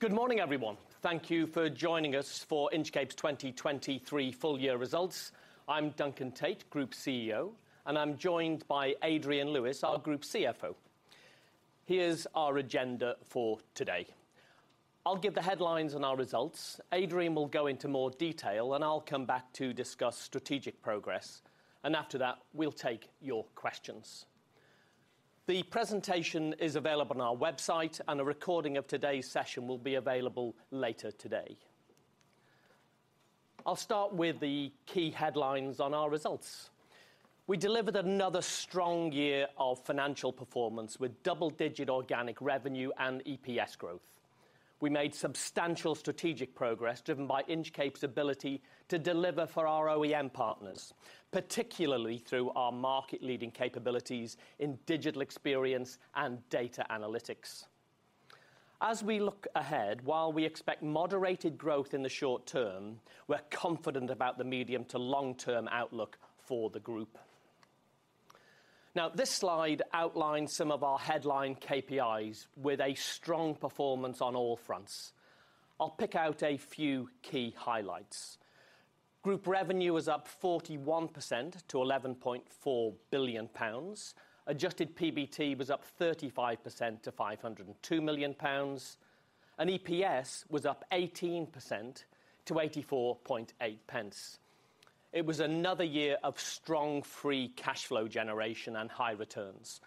Good morning, everyone. Thank you for joining us for Inchcape's 2023 full year results. I'm Duncan Tait, Group CEO, and I'm joined by Adrian Lewis, our group CFO. Here's our agenda for today. I'll give the headlines on our results. Adrian will go into more detail, and I'll come back to discuss strategic progress, and after that, we'll take your questions. The presentation is available on our website, and a recording of today's session will be available later today. I'll start with the key headlines on our results. We delivered another strong year of financial performance with double-digit organic revenue and EPS growth. We made substantial strategic progress, driven by Inchcape's ability to deliver for our OEM partners, particularly through our market-leading capabilities in digital experience and data analytics. As we look ahead, while we expect moderated growth in the short term, we're confident about the medium to long-term outlook for the group. Now, this slide outlines some of our headline KPIs with a strong performance on all fronts. I'll pick out a few key highlights. Group revenue was up 41% to 11.4 billion pounds. Adjusted PBT was up 35% to 502 million pounds, and EPS was up 18% to 0.848. It was another year of strong free cash flow generation and high returns,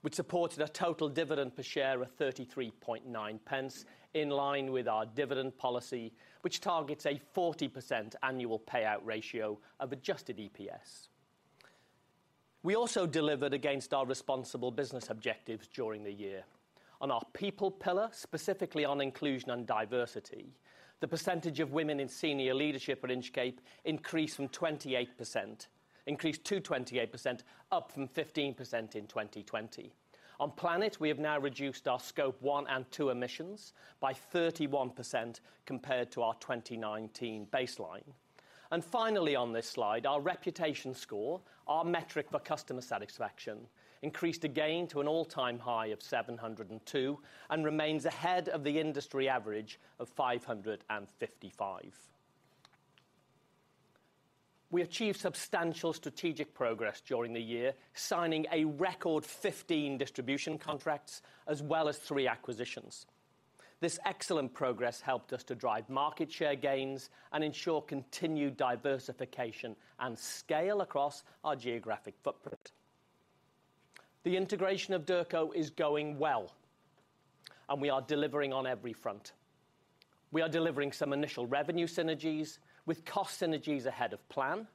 which supported a total dividend per share of 0.339, in line with our dividend policy, which targets a 40% annual payout ratio of adjusted EPS. We also delivered against our responsible business objectives during the year. On our people pillar, specifically on inclusion and diversity, the percentage of women in senior leadership at Inchcape increased to 28%, up from 15% in 2020. On planet, we have now reduced our Scope 1 and 2 emissions by 31% compared to our 2019 baseline. Finally, on this slide, our reputation score, our metric for customer satisfaction, increased again to an all-time high of 702 and remains ahead of the industry average of 555. We achieved substantial strategic progress during the year, signing a record 15 distribution contracts as well as three acquisitions. This excellent progress helped us to drive market share gains and ensure continued diversification and scale across our geographic footprint. The integration of Derco is going well, and we are delivering on every front. We are delivering some initial revenue synergies with cost synergies ahead of plan,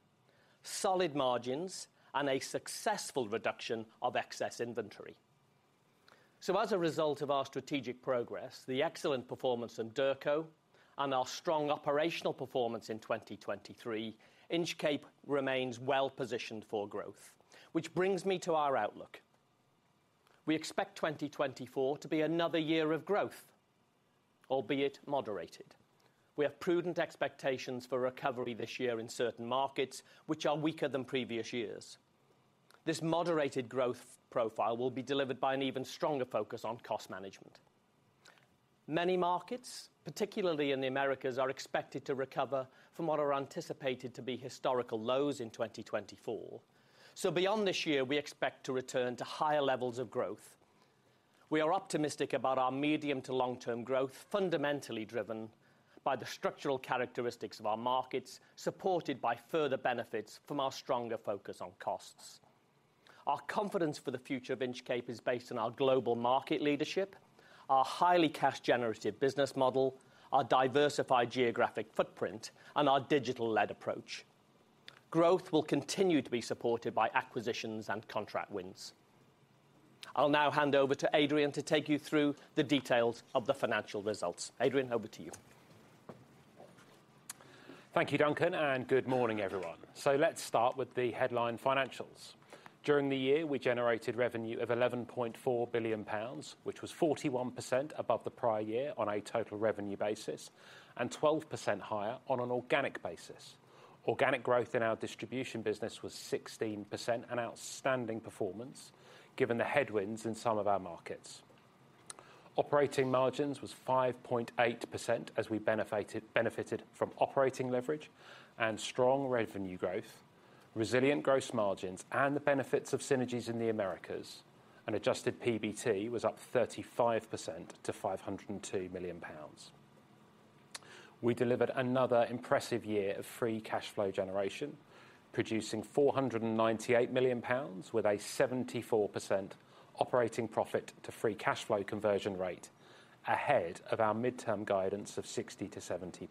solid margins, and a successful reduction of excess inventory. So as a result of our strategic progress, the excellent performance in Derco, and our strong operational performance in 2023, Inchcape remains well positioned for growth, which brings me to our outlook. We expect 2024 to be another year of growth, albeit moderated. We have prudent expectations for recovery this year in certain markets, which are weaker than previous years. This moderated growth profile will be delivered by an even stronger focus on cost management. Many markets, particularly in the Americas, are expected to recover from what are anticipated to be historical lows in 2024. So beyond this year, we expect to return to higher levels of growth. We are optimistic about our medium to long-term growth, fundamentally driven by the structural characteristics of our markets, supported by further benefits from our stronger focus on costs. Our confidence for the future of Inchcape is based on our global market leadership, our highly cash generative business model, our diversified geographic footprint, and our digital-led approach. Growth will continue to be supported by acquisitions and contract wins. I'll now hand over to Adrian to take you through the details of the financial results. Adrian, over to you. Thank you, Duncan, and good morning, everyone. So let's start with the headline financials. During the year, we generated revenue of 11.4 billion pounds, which was 41% above the prior year on a total revenue basis, and 12% higher on an organic basis. Organic growth in our distribution business was 16%, an outstanding performance, given the headwinds in some of our markets. Operating margins was 5.8%, as we benefited from operating leverage and strong revenue growth, resilient gross margins, and the benefits of synergies in the Americas. And Adjusted PBT was up 35% to 502 million pounds. We delivered another impressive year of Free Cash Flow generation, producing 498 million pounds with a 74% operating profit to Free Cash Flow conversion rate ahead of our midterm guidance of 60%-70%.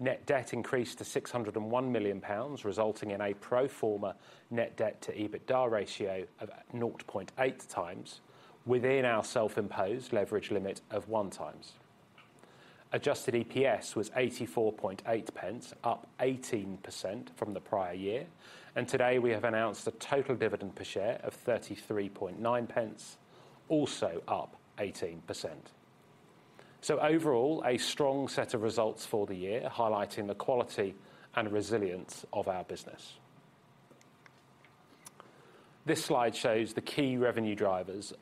Net debt increased to 601 million pounds, resulting in a pro forma net debt to EBITDA ratio of 0.8 times within our self-imposed leverage limit of 1 times. Adjusted EPS was 0.848, up 18% from the prior year, and today we have announced a total dividend per share of 0.339, also up 18%. Overall, a strong set of results for the year, highlighting the quality and resilience of our business. This slide shows the key revenue drivers,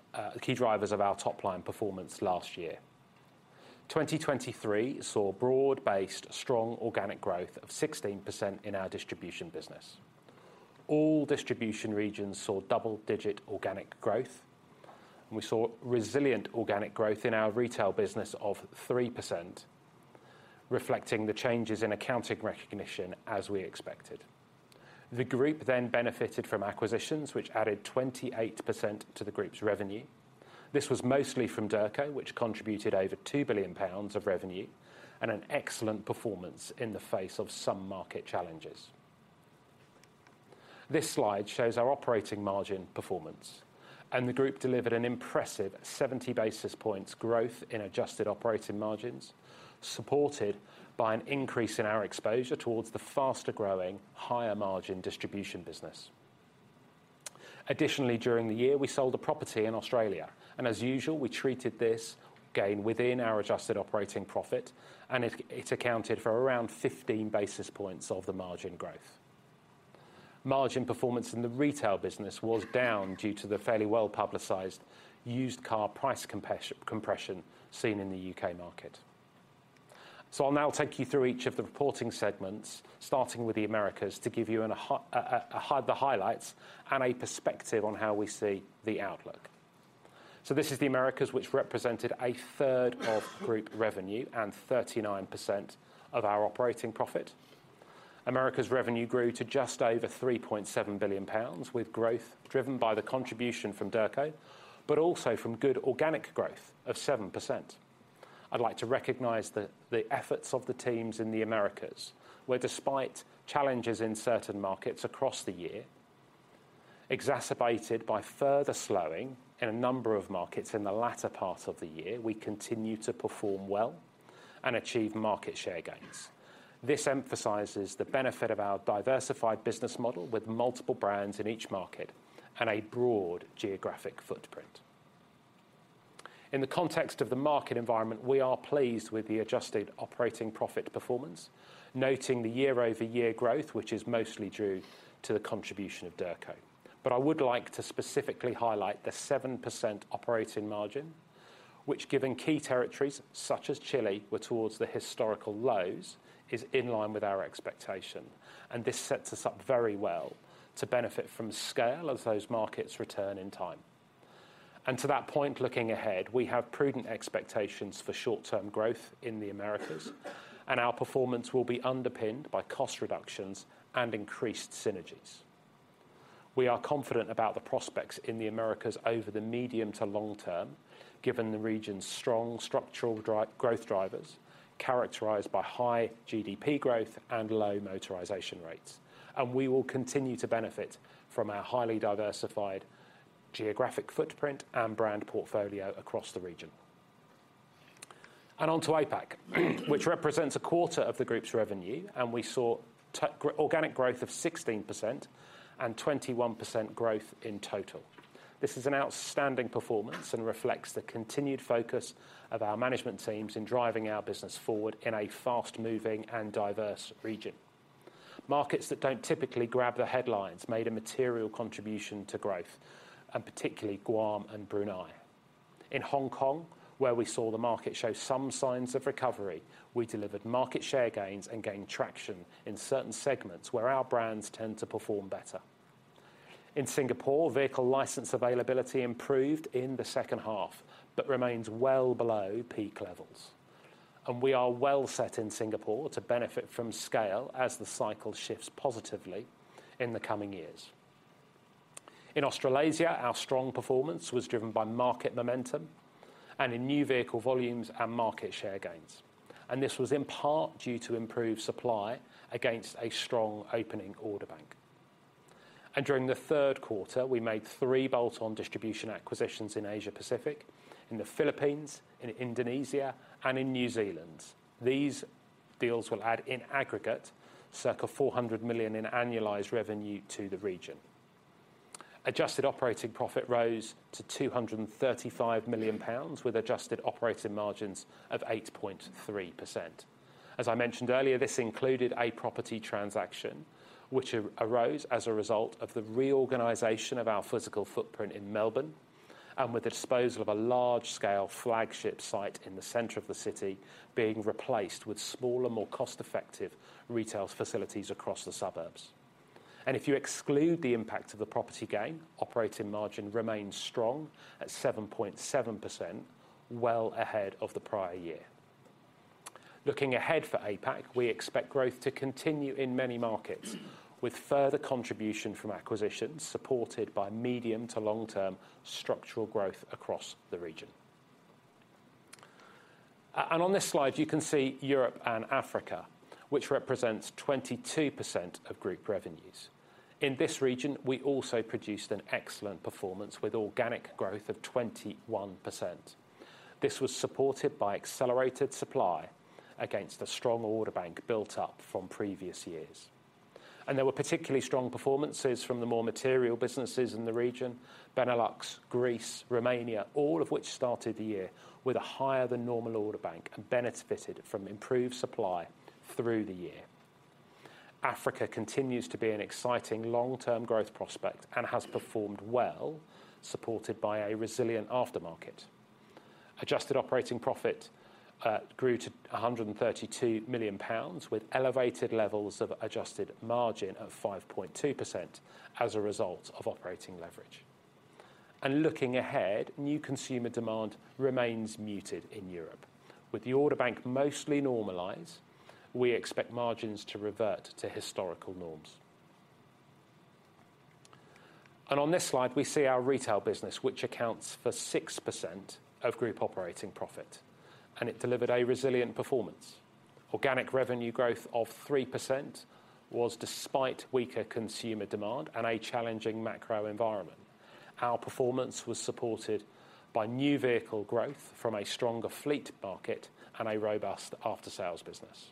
key drivers of our top line performance last year. 2023 saw broad-based, strong organic growth of 16% in our distribution business. All distribution regions saw double-digit organic growth, and we saw resilient organic growth in our retail business of 3%, reflecting the changes in accounting recognition as we expected. The group then benefited from acquisitions, which added 28% to the group's revenue. This was mostly from Derco, which contributed over 2 billion pounds of revenue, and an excellent performance in the face of some market challenges. This slide shows our operating margin performance, and the group delivered an impressive 70 basis points growth in adjusted operating margins, supported by an increase in our exposure towards the faster-growing, higher margin distribution business. Additionally, during the year, we sold a property in Australia, and as usual, we treated this gain within our adjusted operating profit, and it accounted for around 15 basis points of the margin growth. Margin performance in the retail business was down due to the fairly well-publicized used car price compression seen in the UK market. So I'll now take you through each of the reporting segments, starting with the Americas, to give you the highlights and a perspective on how we see the outlook. So this is the Americas, which represented a third of group revenue and 39% of our operating profit. Americas revenue grew to just over 3.7 billion pounds, with growth driven by the contribution from Derco, but also from good organic growth of 7%. I'd like to recognize the efforts of the teams in the Americas, where despite challenges in certain markets across the year, exacerbated by further slowing in a number of markets in the latter part of the year, we continue to perform well and achieve market share gains. This emphasizes the benefit of our diversified business model with multiple brands in each market and a broad geographic footprint. In the context of the market environment, we are pleased with the adjusted operating profit performance, noting the year-over-year growth, which is mostly due to the contribution of Derco. I would like to specifically highlight the 7% operating margin, which, given key territories such as Chile, were towards the historical lows, is in line with our expectation, and this sets us up very well to benefit from scale as those markets return in time. To that point, looking ahead, we have prudent expectations for short-term growth in the Americas, and our performance will be underpinned by cost reductions and increased synergies. We are confident about the prospects in the Americas over the medium to long term, given the region's strong structural growth drivers, characterized by high GDP growth and low motorization rates. We will continue to benefit from our highly diversified geographic footprint and brand portfolio across the region. On to APAC, which represents a quarter of the group's revenue, and we saw organic growth of 16% and 21% growth in total. This is an outstanding performance and reflects the continued focus of our management teams in driving our business forward in a fast-moving and diverse region. Markets that don't typically grab the headlines made a material contribution to growth, and particularly Guam and Brunei. In Hong Kong, where we saw the market show some signs of recovery, we delivered market share gains and gained traction in certain segments where our brands tend to perform better. In Singapore, vehicle license availability improved in the second half, but remains well below peak levels. We are well set in Singapore to benefit from scale as the cycle shifts positively in the coming years. In Australasia, our strong performance was driven by market momentum and in new vehicle volumes and market share gains, and this was in part due to improved supply against a strong opening order bank. During the third quarter, we made 3 bolt-on distribution acquisitions in Asia Pacific, in the Philippines, in Indonesia, and in New Zealand. These deals will add, in aggregate, circa 400 million in annualized revenue to the region. Adjusted operating profit rose to 235 million pounds, with adjusted operating margins of 8.3%. As I mentioned earlier, this included a property transaction, which arose as a result of the reorganization of our physical footprint in Melbourne, and with the disposal of a large-scale flagship site in the center of the city, being replaced with smaller, more cost-effective retail facilities across the suburbs. And if you exclude the impact of the property gain, operating margin remains strong at 7.7%, well ahead of the prior year. Looking ahead for APAC, we expect growth to continue in many markets, with further contribution from acquisitions supported by medium to long-term structural growth across the region. And on this slide, you can see Europe and Africa, which represents 22% of group revenues. In this region, we also produced an excellent performance with organic growth of 21%. This was supported by accelerated supply against a strong order bank built up from previous years. There were particularly strong performances from the more material businesses in the region, Benelux, Greece, Romania, all of which started the year with a higher than normal order bank and benefited from improved supply through the year... Africa continues to be an exciting long-term growth prospect and has performed well, supported by a resilient aftermarket. Adjusted operating profit grew to 132 million pounds, with elevated levels of adjusted margin of 5.2% as a result of operating leverage. Looking ahead, new consumer demand remains muted in Europe. With the order bank mostly normalized, we expect margins to revert to historical norms. On this slide, we see our retail business, which accounts for 6% of group operating profit, and it delivered a resilient performance. Organic revenue growth of 3% was despite weaker consumer demand and a challenging macro environment. Our performance was supported by new vehicle growth from a stronger fleet market and a robust after-sales business.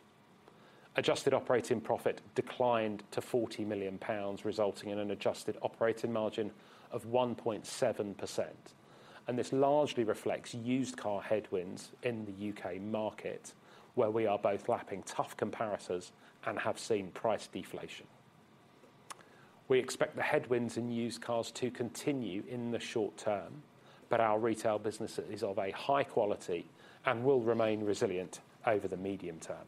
Adjusted operating profit declined to 40 million pounds, resulting in an adjusted operating margin of 1.7%. This largely reflects used car headwinds in the U.K. market, where we are both lapping tough comparators and have seen price deflation. We expect the headwinds in used cars to continue in the short term, but our retail business is of a high quality and will remain resilient over the medium term.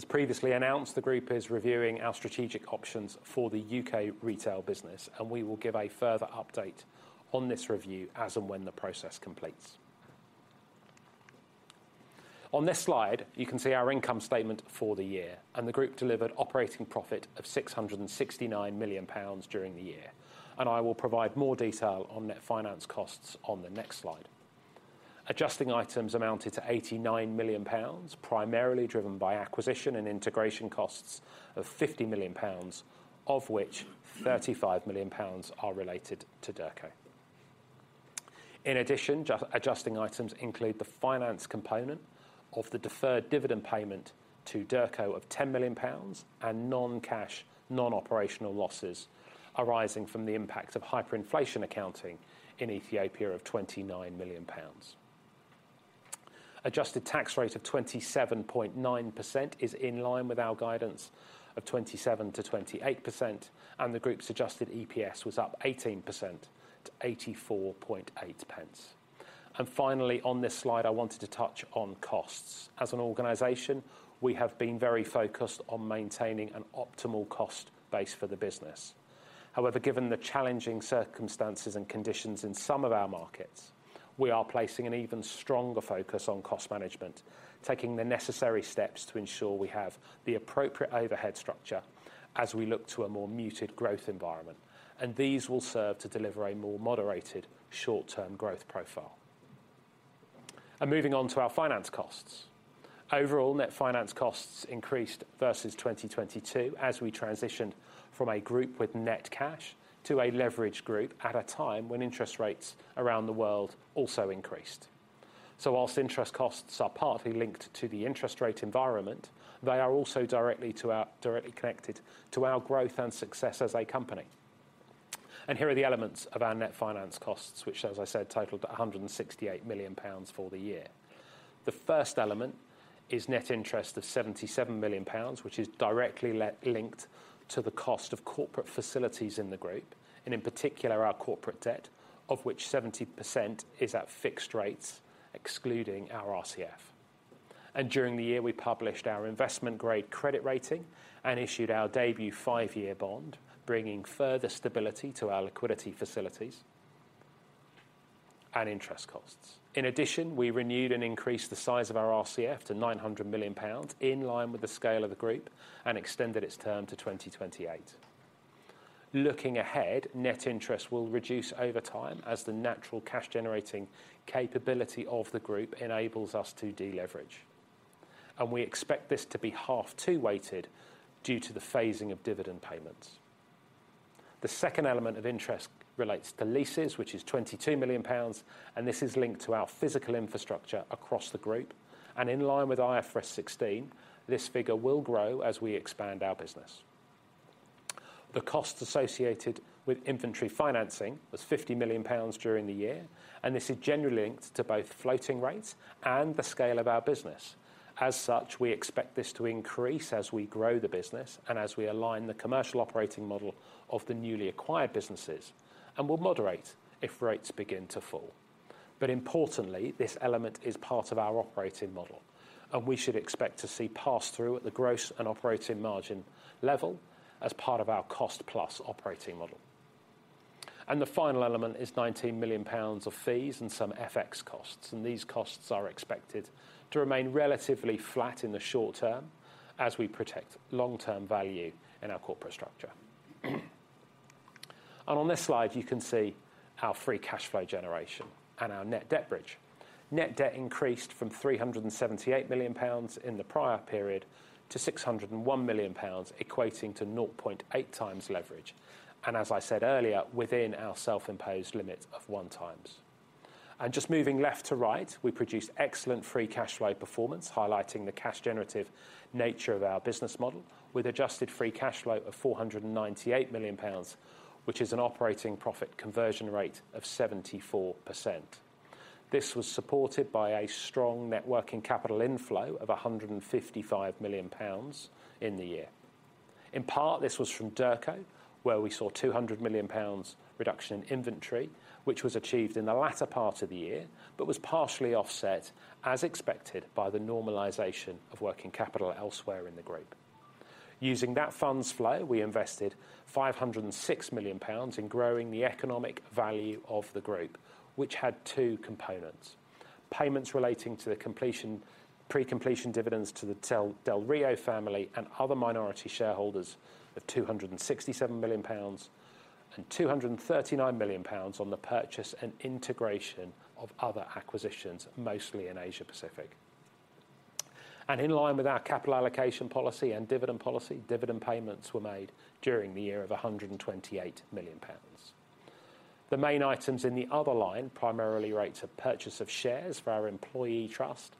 As previously announced, the group is reviewing our strategic options for the U.K. retail business, and we will give a further update on this review as and when the process completes. On this slide, you can see our income statement for the year, and the group delivered operating profit of 669 million pounds during the year, and I will provide more detail on net finance costs on the next slide. Adjusting items amounted to 89 million pounds, primarily driven by acquisition and integration costs of 50 million pounds, of which 35 million pounds are related to Derco. In addition, adjusting items include the finance component of the deferred dividend payment to Derco of 10 million pounds and non-cash, non-operational losses arising from the impact of hyperinflation accounting in Ethiopia of 29 million pounds. Adjusted tax rate of 27.9% is in line with our guidance of 27%-28%, and the group's adjusted EPS was up 18% to 0.848. And finally, on this slide, I wanted to touch on costs. As an organization, we have been very focused on maintaining an optimal cost base for the business. However, given the challenging circumstances and conditions in some of our markets, we are placing an even stronger focus on cost management, taking the necessary steps to ensure we have the appropriate overhead structure as we look to a more muted growth environment, and these will serve to deliver a more moderated short-term growth profile. Moving on to our finance costs. Overall, net finance costs increased versus 2022 as we transitioned from a group with net cash to a leveraged group at a time when interest rates around the world also increased. So while interest costs are partly linked to the interest rate environment, they are also directly connected to our growth and success as a company. Here are the elements of our net finance costs, which, as I said, totaled 168 million pounds for the year. The first element is net interest of 77 million pounds, which is directly linked to the cost of corporate facilities in the group, and in particular, our corporate debt, of which 70% is at fixed rates, excluding our RCF. And during the year, we published our investment-grade credit rating and issued our debut 5-year bond, bringing further stability to our liquidity facilities and interest costs. In addition, we renewed and increased the size of our RCF to 900 million pounds, in line with the scale of the group, and extended its term to 2028. Looking ahead, net interest will reduce over time as the natural cash-generating capability of the group enables us to deleverage, and we expect this to be H2 weighted due to the phasing of dividend payments. The second element of interest relates to leases, which is 22 million pounds, and this is linked to our physical infrastructure across the group. In line with IFRS 16, this figure will grow as we expand our business. The costs associated with inventory financing was 50 million pounds during the year, and this is generally linked to both floating rates and the scale of our business. As such, we expect this to increase as we grow the business and as we align the commercial operating model of the newly acquired businesses and will moderate if rates begin to fall. But importantly, this element is part of our operating model, and we should expect to see pass-through at the gross and operating margin level as part of our cost-plus operating model. The final element is 19 million pounds of fees and some FX costs, and these costs are expected to remain relatively flat in the short term as we protect long-term value in our corporate structure. On this slide, you can see our free cash flow generation and our net debt bridge. Net debt increased from 378 million pounds in the prior period to 601 million pounds, equating to 0.8x leverage, and as I said earlier, within our self-imposed limit of 1x. Just moving left to right, we produced excellent free cash flow performance, highlighting the cash-generative nature of our business model with adjusted free cash flow of 498 million pounds, which is an operating profit conversion rate of 74%. This was supported by a strong net working capital inflow of 155 million pounds in the year. In part, this was from Derco, where we saw 200 million pounds reduction in inventory, which was achieved in the latter part of the year, but was partially offset, as expected, by the normalization of working capital elsewhere in the group. Using that funds flow, we invested 506 million pounds in growing the economic value of the group, which had two components: payments relating to the completion, pre-completion dividends to the del Río family and other minority shareholders of 267 million pounds, and 239 million pounds on the purchase and integration of other acquisitions, mostly in Asia Pacific. In line with our capital allocation policy and dividend policy, dividend payments were made during the year of 128 million pounds. The main items in the other line, primarily relate to purchase of shares for our employee trust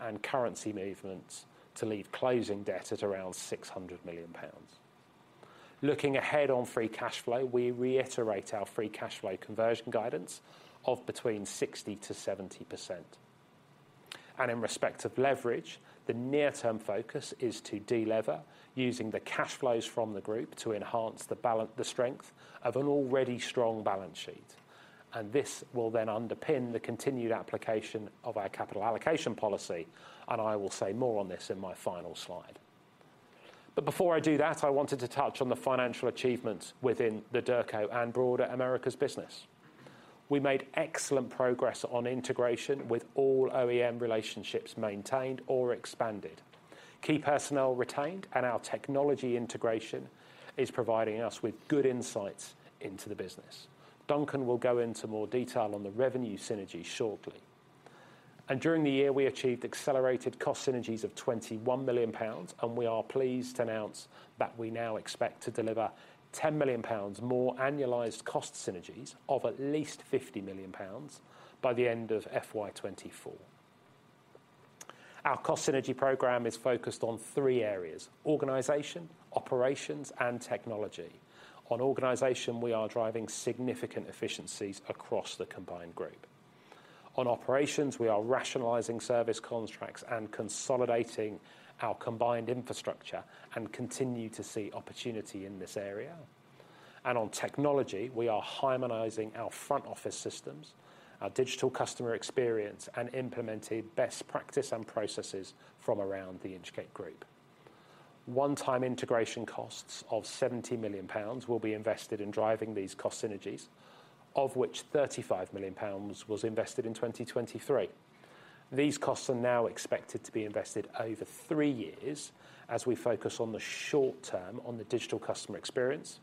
and currency movements to leave closing debt at around 600 million pounds. Looking ahead on free cash flow, we reiterate our free cash flow conversion guidance of between 60%-70%. In respect of leverage, the near-term focus is to delever, using the cash flows from the group to enhance the strength of an already strong balance sheet. This will then underpin the continued application of our capital allocation policy, and I will say more on this in my final slide. But before I do that, I wanted to touch on the financial achievements within the Derco and broader Americas business. We made excellent progress on integration with all OEM relationships maintained or expanded. Key personnel retained, and our technology integration is providing us with good insights into the business. Duncan will go into more detail on the revenue synergies shortly. During the year, we achieved accelerated cost synergies of 21 million pounds, and we are pleased to announce that we now expect to deliver 10 million pounds more annualized cost synergies of at least 50 million pounds by the end of FY 2024. Our cost synergy program is focused on three areas: organization, operations, and technology. On organization, we are driving significant efficiencies across the combined group. On operations, we are rationalizing service contracts and consolidating our combined infrastructure and continue to see opportunity in this area. And on technology, we are harmonizing our front office systems, our digital customer experience, and implementing best practice and processes from around the Inchcape Group. One-time integration costs of 70 million pounds will be invested in driving these cost synergies, of which 35 million pounds was invested in 2023. These costs are now expected to be invested over three years as we focus on the short term on the digital customer experience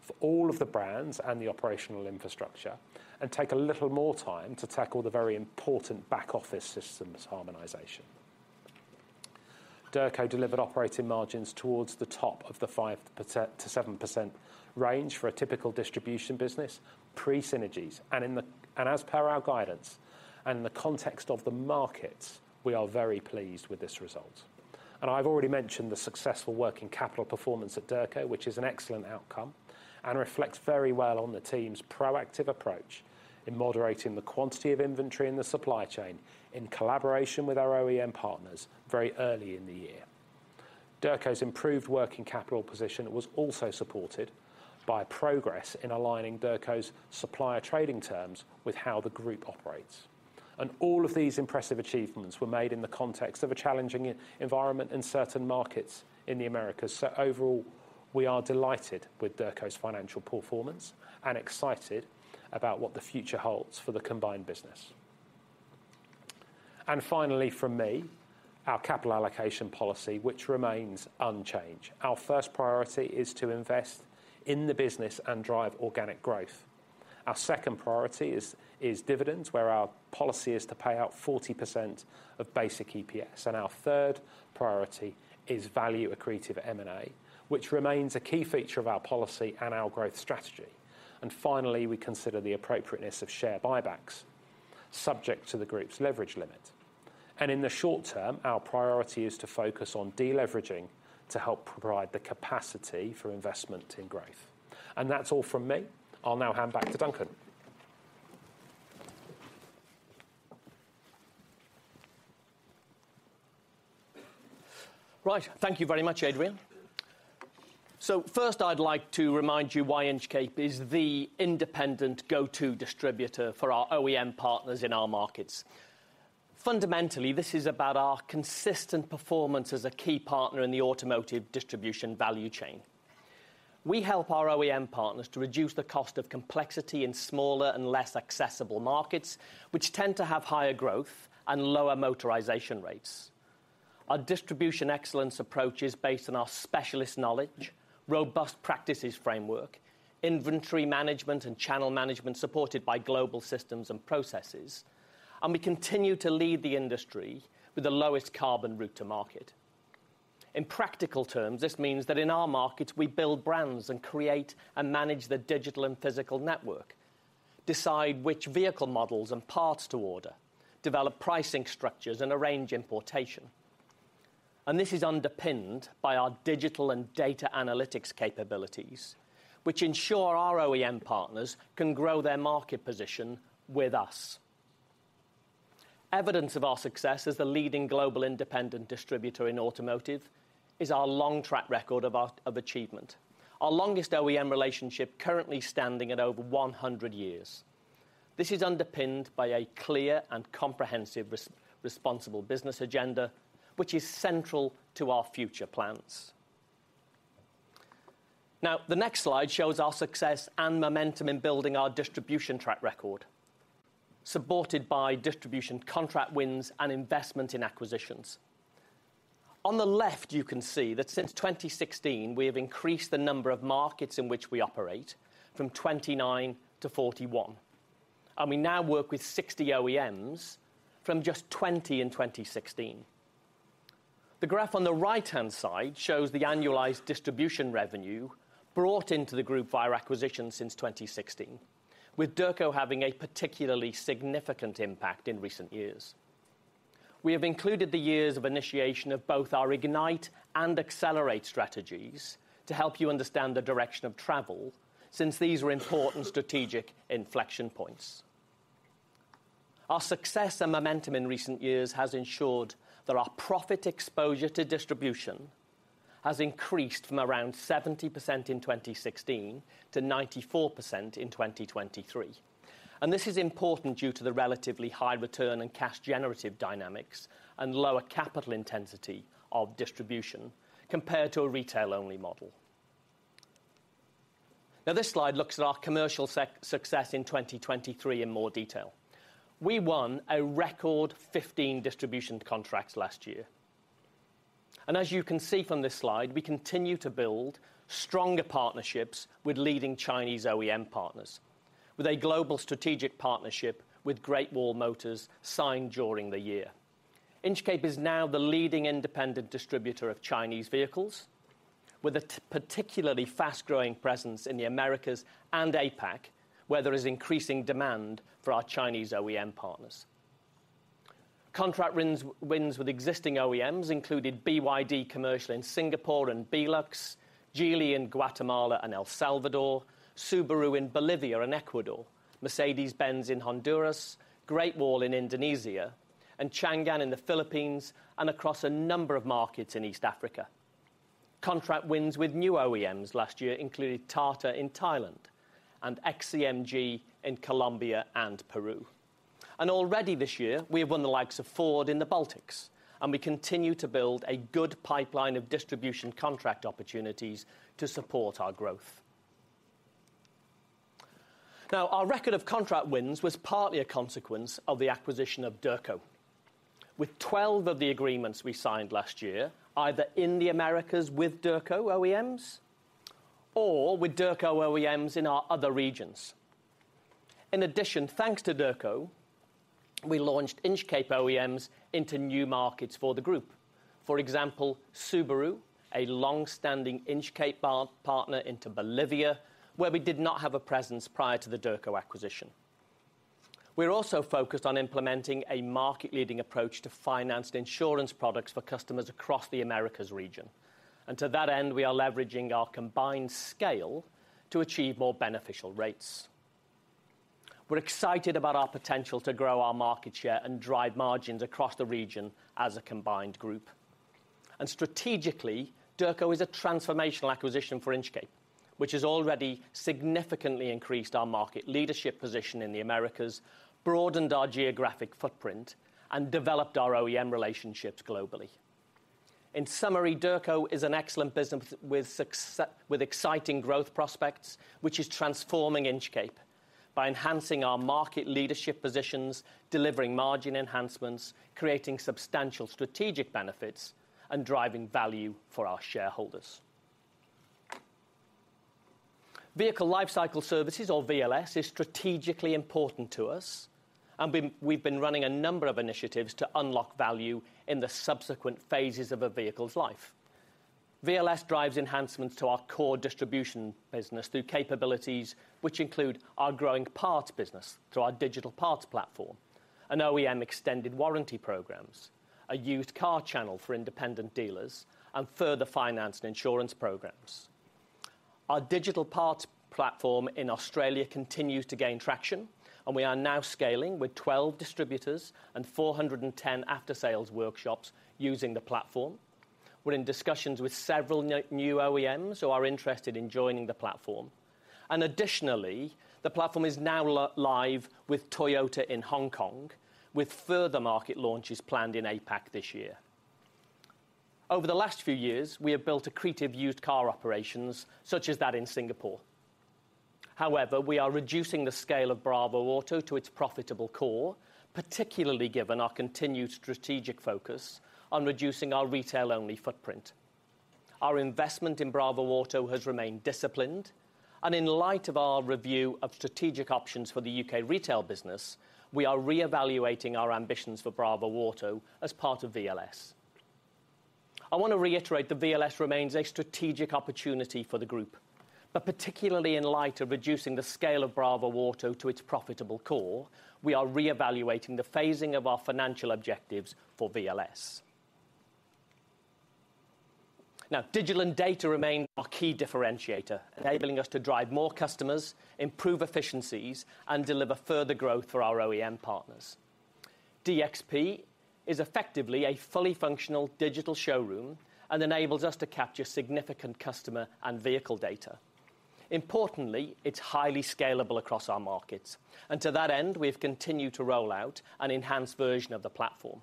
for all of the brands and the operational infrastructure, and take a little more time to tackle the very important back office systems harmonization. Derco delivered operating margins towards the top of the 5%-7% range for a typical distribution business, pre-synergies. And as per our guidance and the context of the markets, we are very pleased with this result. And I've already mentioned the successful working capital performance of Derco, which is an excellent outcome, and reflects very well on the team's proactive approach in moderating the quantity of inventory in the supply chain, in collaboration with our OEM partners very early in the year. Derco's improved working capital position was also supported by progress in aligning Derco's supplier trading terms with how the group operates. And all of these impressive achievements were made in the context of a challenging environment in certain markets in the Americas. So overall, we are delighted with Derco's financial performance and excited about what the future holds for the combined business. And finally, from me, our capital allocation policy, which remains unchanged. Our first priority is to invest in the business and drive organic growth. Our second priority is, is dividends, where our policy is to pay out 40% of basic EPS. And our third priority is value accretive M&A, which remains a key feature of our policy and our growth strategy. And finally, we consider the appropriateness of share buybacks, subject to the group's leverage limit. In the short term, our priority is to focus on deleveraging to help provide the capacity for investment in growth. That's all from me. I'll now hand back to Duncan. Right. Thank you very much, Adrian. First I'd like to remind you why Inchcape is the independent go-to distributor for our OEM partners in our markets. Fundamentally, this is about our consistent performance as a key partner in the automotive distribution value chain. We help our OEM partners to reduce the cost of complexity in smaller and less accessible markets, which tend to have higher growth and lower motorization rates. Our distribution excellence approach is based on our specialist knowledge, robust practices framework, inventory management, and channel management, supported by global systems and processes. We continue to lead the industry with the lowest carbon route to market. In practical terms, this means that in our markets, we build brands and create and manage the digital and physical network, decide which vehicle models and parts to order, develop pricing structures and arrange importation. This is underpinned by our digital and data analytics capabilities, which ensure our OEM partners can grow their market position with us. Evidence of our success as the leading global independent distributor in automotive is our long track record of achievement. Our longest OEM relationship currently standing at over 100 years. This is underpinned by a clear and comprehensive responsible business agenda, which is central to our future plans. Now, the next slide shows our success and momentum in building our distribution track record, supported by distribution contract wins and investment in acquisitions. On the left, you can see that since 2016, we have increased the number of markets in which we operate from 29 to 41, and we now work with 60 OEMs from just 20 in 2016. The graph on the right-hand side shows the annualized distribution revenue brought into the group via acquisitions since 2016, with Derco having a particularly significant impact in recent years. We have included the years of initiation of both our Ignite and Accelerate strategies to help you understand the direction of travel, since these are important strategic inflection points. Our success and momentum in recent years has ensured that our profit exposure to distribution has increased from around 70% in 2016 to 94% in 2023. This is important due to the relatively high return and cash generative dynamics and lower capital intensity of distribution compared to a retail-only model. Now, this slide looks at our commercial success in 2023 in more detail. We won a record 15 distribution contracts last year. As you can see from this slide, we continue to build stronger partnerships with leading Chinese OEM partners, with a global strategic partnership with Great Wall Motors signed during the year. Inchcape is now the leading independent distributor of Chinese vehicles, with a particularly fast-growing presence in the Americas and APAC, where there is increasing demand for our Chinese OEM partners. Contract wins, wins with existing OEMs included BYD Commercial in Singapore and Benelux, Geely in Guatemala and El Salvador, Subaru in Bolivia and Ecuador, Mercedes-Benz in Honduras, Great Wall in Indonesia, and Changan in the Philippines, and across a number of markets in East Africa. Contract wins with new OEMs last year included Tata in Thailand and XCMG in Colombia and Peru. Already this year, we have won the likes of Ford in the Baltics, and we continue to build a good pipeline of distribution contract opportunities to support our growth. Now, our record of contract wins was partly a consequence of the acquisition of Derco, with 12 of the agreements we signed last year, either in the Americas with Derco OEMs or with Derco OEMs in our other regions. In addition, thanks to Derco, we launched Inchcape OEMs into new markets for the group. For example, Subaru, a long-standing Inchcape partner, into Bolivia, where we did not have a presence prior to the Derco acquisition. We're also focused on implementing a market-leading approach to finance and insurance products for customers across the Americas region. And to that end, we are leveraging our combined scale to achieve more beneficial rates. We're excited about our potential to grow our market share and drive margins across the region as a combined group. And strategically, Derco is a transformational acquisition for Inchcape, which has already significantly increased our market leadership position in the Americas, broadened our geographic footprint, and developed our OEM relationships globally. In summary, Derco is an excellent business with exciting growth prospects, which is transforming Inchcape by enhancing our market leadership positions, delivering margin enhancements, creating substantial strategic benefits, and driving value for our shareholders. Vehicle lifecycle services, or VLS, is strategically important to us, and we've been running a number of initiatives to unlock value in the subsequent phases of a vehicle's life. VLS drives enhancements to our core distribution business through capabilities which include our growing parts business through our digital parts platform, an OEM extended warranty programs, a used car channel for independent dealers, and further finance and insurance programs. Our digital parts platform in Australia continues to gain traction, and we are now scaling with 12 distributors and 410 after-sales workshops using the platform. We're in discussions with several new OEMs who are interested in joining the platform. And additionally, the platform is now live with Toyota in Hong Kong, with further market launches planned in APAC this year. Over the last few years, we have built accretive used car operations, such as that in Singapore. However, we are reducing the scale of bravoauto to its profitable core, particularly given our continued strategic focus on reducing our retail-only footprint. Our investment in bravoauto has remained disciplined, and in light of our review of strategic options for the U.K. retail business, we are reevaluating our ambitions for bravoauto as part of VLS. I want to reiterate that VLS remains a strategic opportunity for the group... but particularly in light of reducing the scale of bravoauto to its profitable core, we are reevaluating the phasing of our financial objectives for VLS. Now, digital and data remain our key differentiator, enabling us to drive more customers, improve efficiencies, and deliver further growth for our OEM partners. DXP is effectively a fully functional digital showroom, and enables us to capture significant customer and vehicle data. Importantly, it's highly scalable across our markets, and to that end, we've continued to roll out an enhanced version of the platform.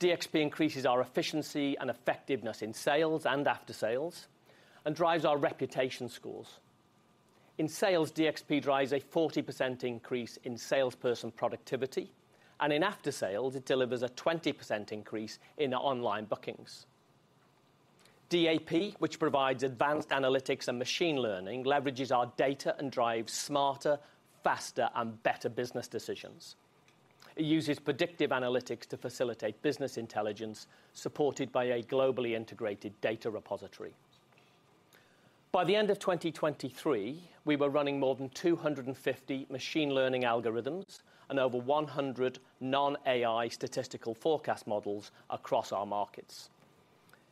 DXP increases our efficiency and effectiveness in sales and aftersales, and drives our reputation scores. In sales, DXP drives a 40% increase in salesperson productivity, and in aftersales, it delivers a 20% increase in online bookings. DAP, which provides advanced analytics and machine learning, leverages our data and drives smarter, faster, and better business decisions. It uses predictive analytics to facilitate business intelligence, supported by a globally integrated data repository. By the end of 2023, we were running more than 250 machine learning algorithms and over 100 non-AI statistical forecast models across our markets.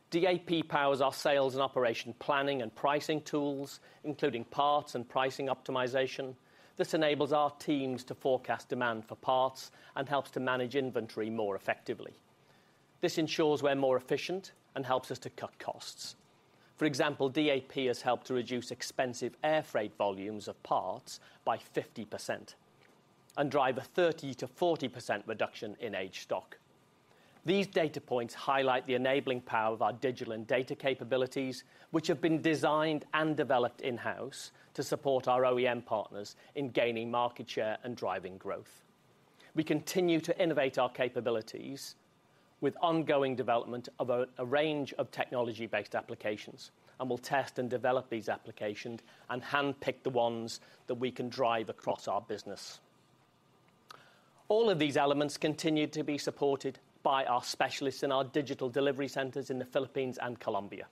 DAP powers our sales and operation planning and pricing tools, including parts and pricing optimization. This enables our teams to forecast demand for parts and helps to manage inventory more effectively. This ensures we're more efficient and helps us to cut costs. For example, DAP has helped to reduce expensive air freight volumes of parts by 50% and drive a 30%-40% reduction in aged stock. These data points highlight the enabling power of our digital and data capabilities, which have been designed and developed in-house to support our OEM partners in gaining market share and driving growth. We continue to innovate our capabilities with ongoing development of a range of technology-based applications, and we'll test and develop these applications and handpick the ones that we can drive across our business. All of these elements continue to be supported by our specialists in our digital delivery centers in the Philippines and Colombia,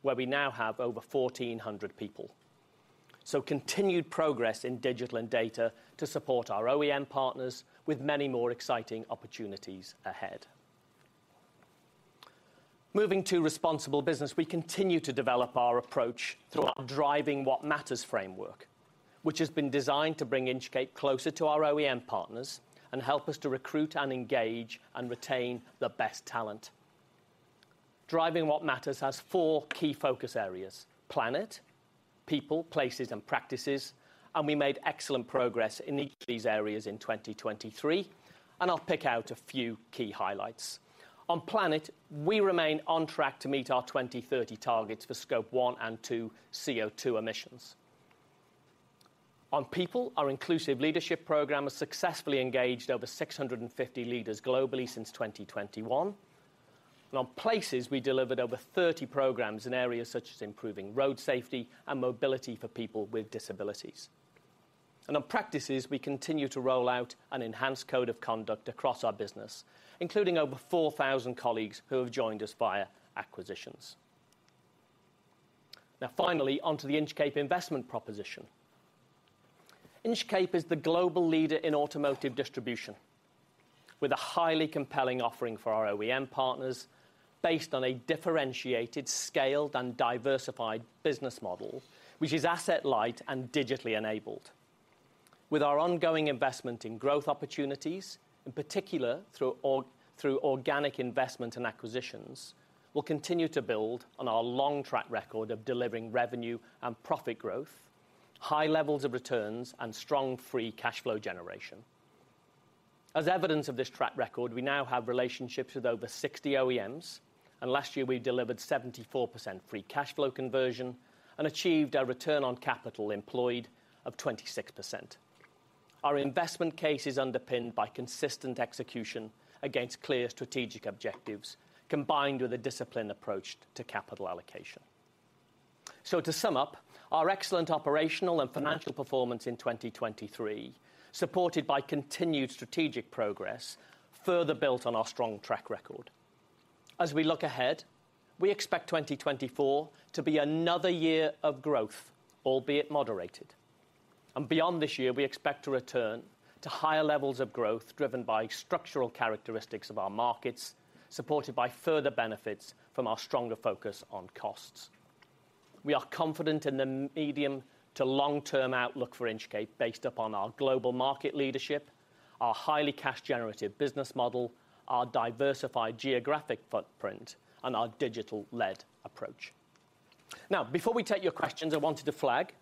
where we now have over 1,400 people. So continued progress in digital and data to support our OEM partners, with many more exciting opportunities ahead. Moving to responsible business, we continue to develop our approach through our Driving What Matters framework, which has been designed to bring Inchcape closer to our OEM partners and help us to recruit and engage and retain the best talent. Driving What Matters has four key focus areas: planet, people, places, and practices, and we made excellent progress in each of these areas in 2023, and I'll pick out a few key highlights. On planet, we remain on track to meet our 2030 targets for Scope 1 and 2 CO2 emissions. On people, our inclusive leadership program has successfully engaged over 650 leaders globally since 2021. And on places, we delivered over 30 programs in areas such as improving road safety and mobility for people with disabilities. And on practices, we continue to roll out an enhanced code of conduct across our business, including over 4,000 colleagues who have joined us via acquisitions. Now, finally, onto the Inchcape investment proposition. Inchcape is the global leader in automotive distribution, with a highly compelling offering for our OEM partners, based on a differentiated, scaled, and diversified business model, which is asset light and digitally enabled. With our ongoing investment in growth opportunities, in particular, through organic investment and acquisitions, we'll continue to build on our long track record of delivering revenue and profit growth, high levels of returns, and strong free cash flow generation. As evidence of this track record, we now have relationships with over 60 OEMs, and last year, we delivered 74% free cash flow conversion and achieved a return on capital employed of 26%. Our investment case is underpinned by consistent execution against clear strategic objectives, combined with a disciplined approach to capital allocation. To sum up, our excellent operational and financial performance in 2023, supported by continued strategic progress, further built on our strong track record. As we look ahead, we expect 2024 to be another year of growth, albeit moderated. Beyond this year, we expect to return to higher levels of growth, driven by structural characteristics of our markets, supported by further benefits from our stronger focus on costs. We are confident in the medium to long-term outlook for Inchcape, based upon our global market leadership, our highly cash generative business model, our diversified geographic footprint, and our digital-led approach. Now, before we take your questions, I wanted to flag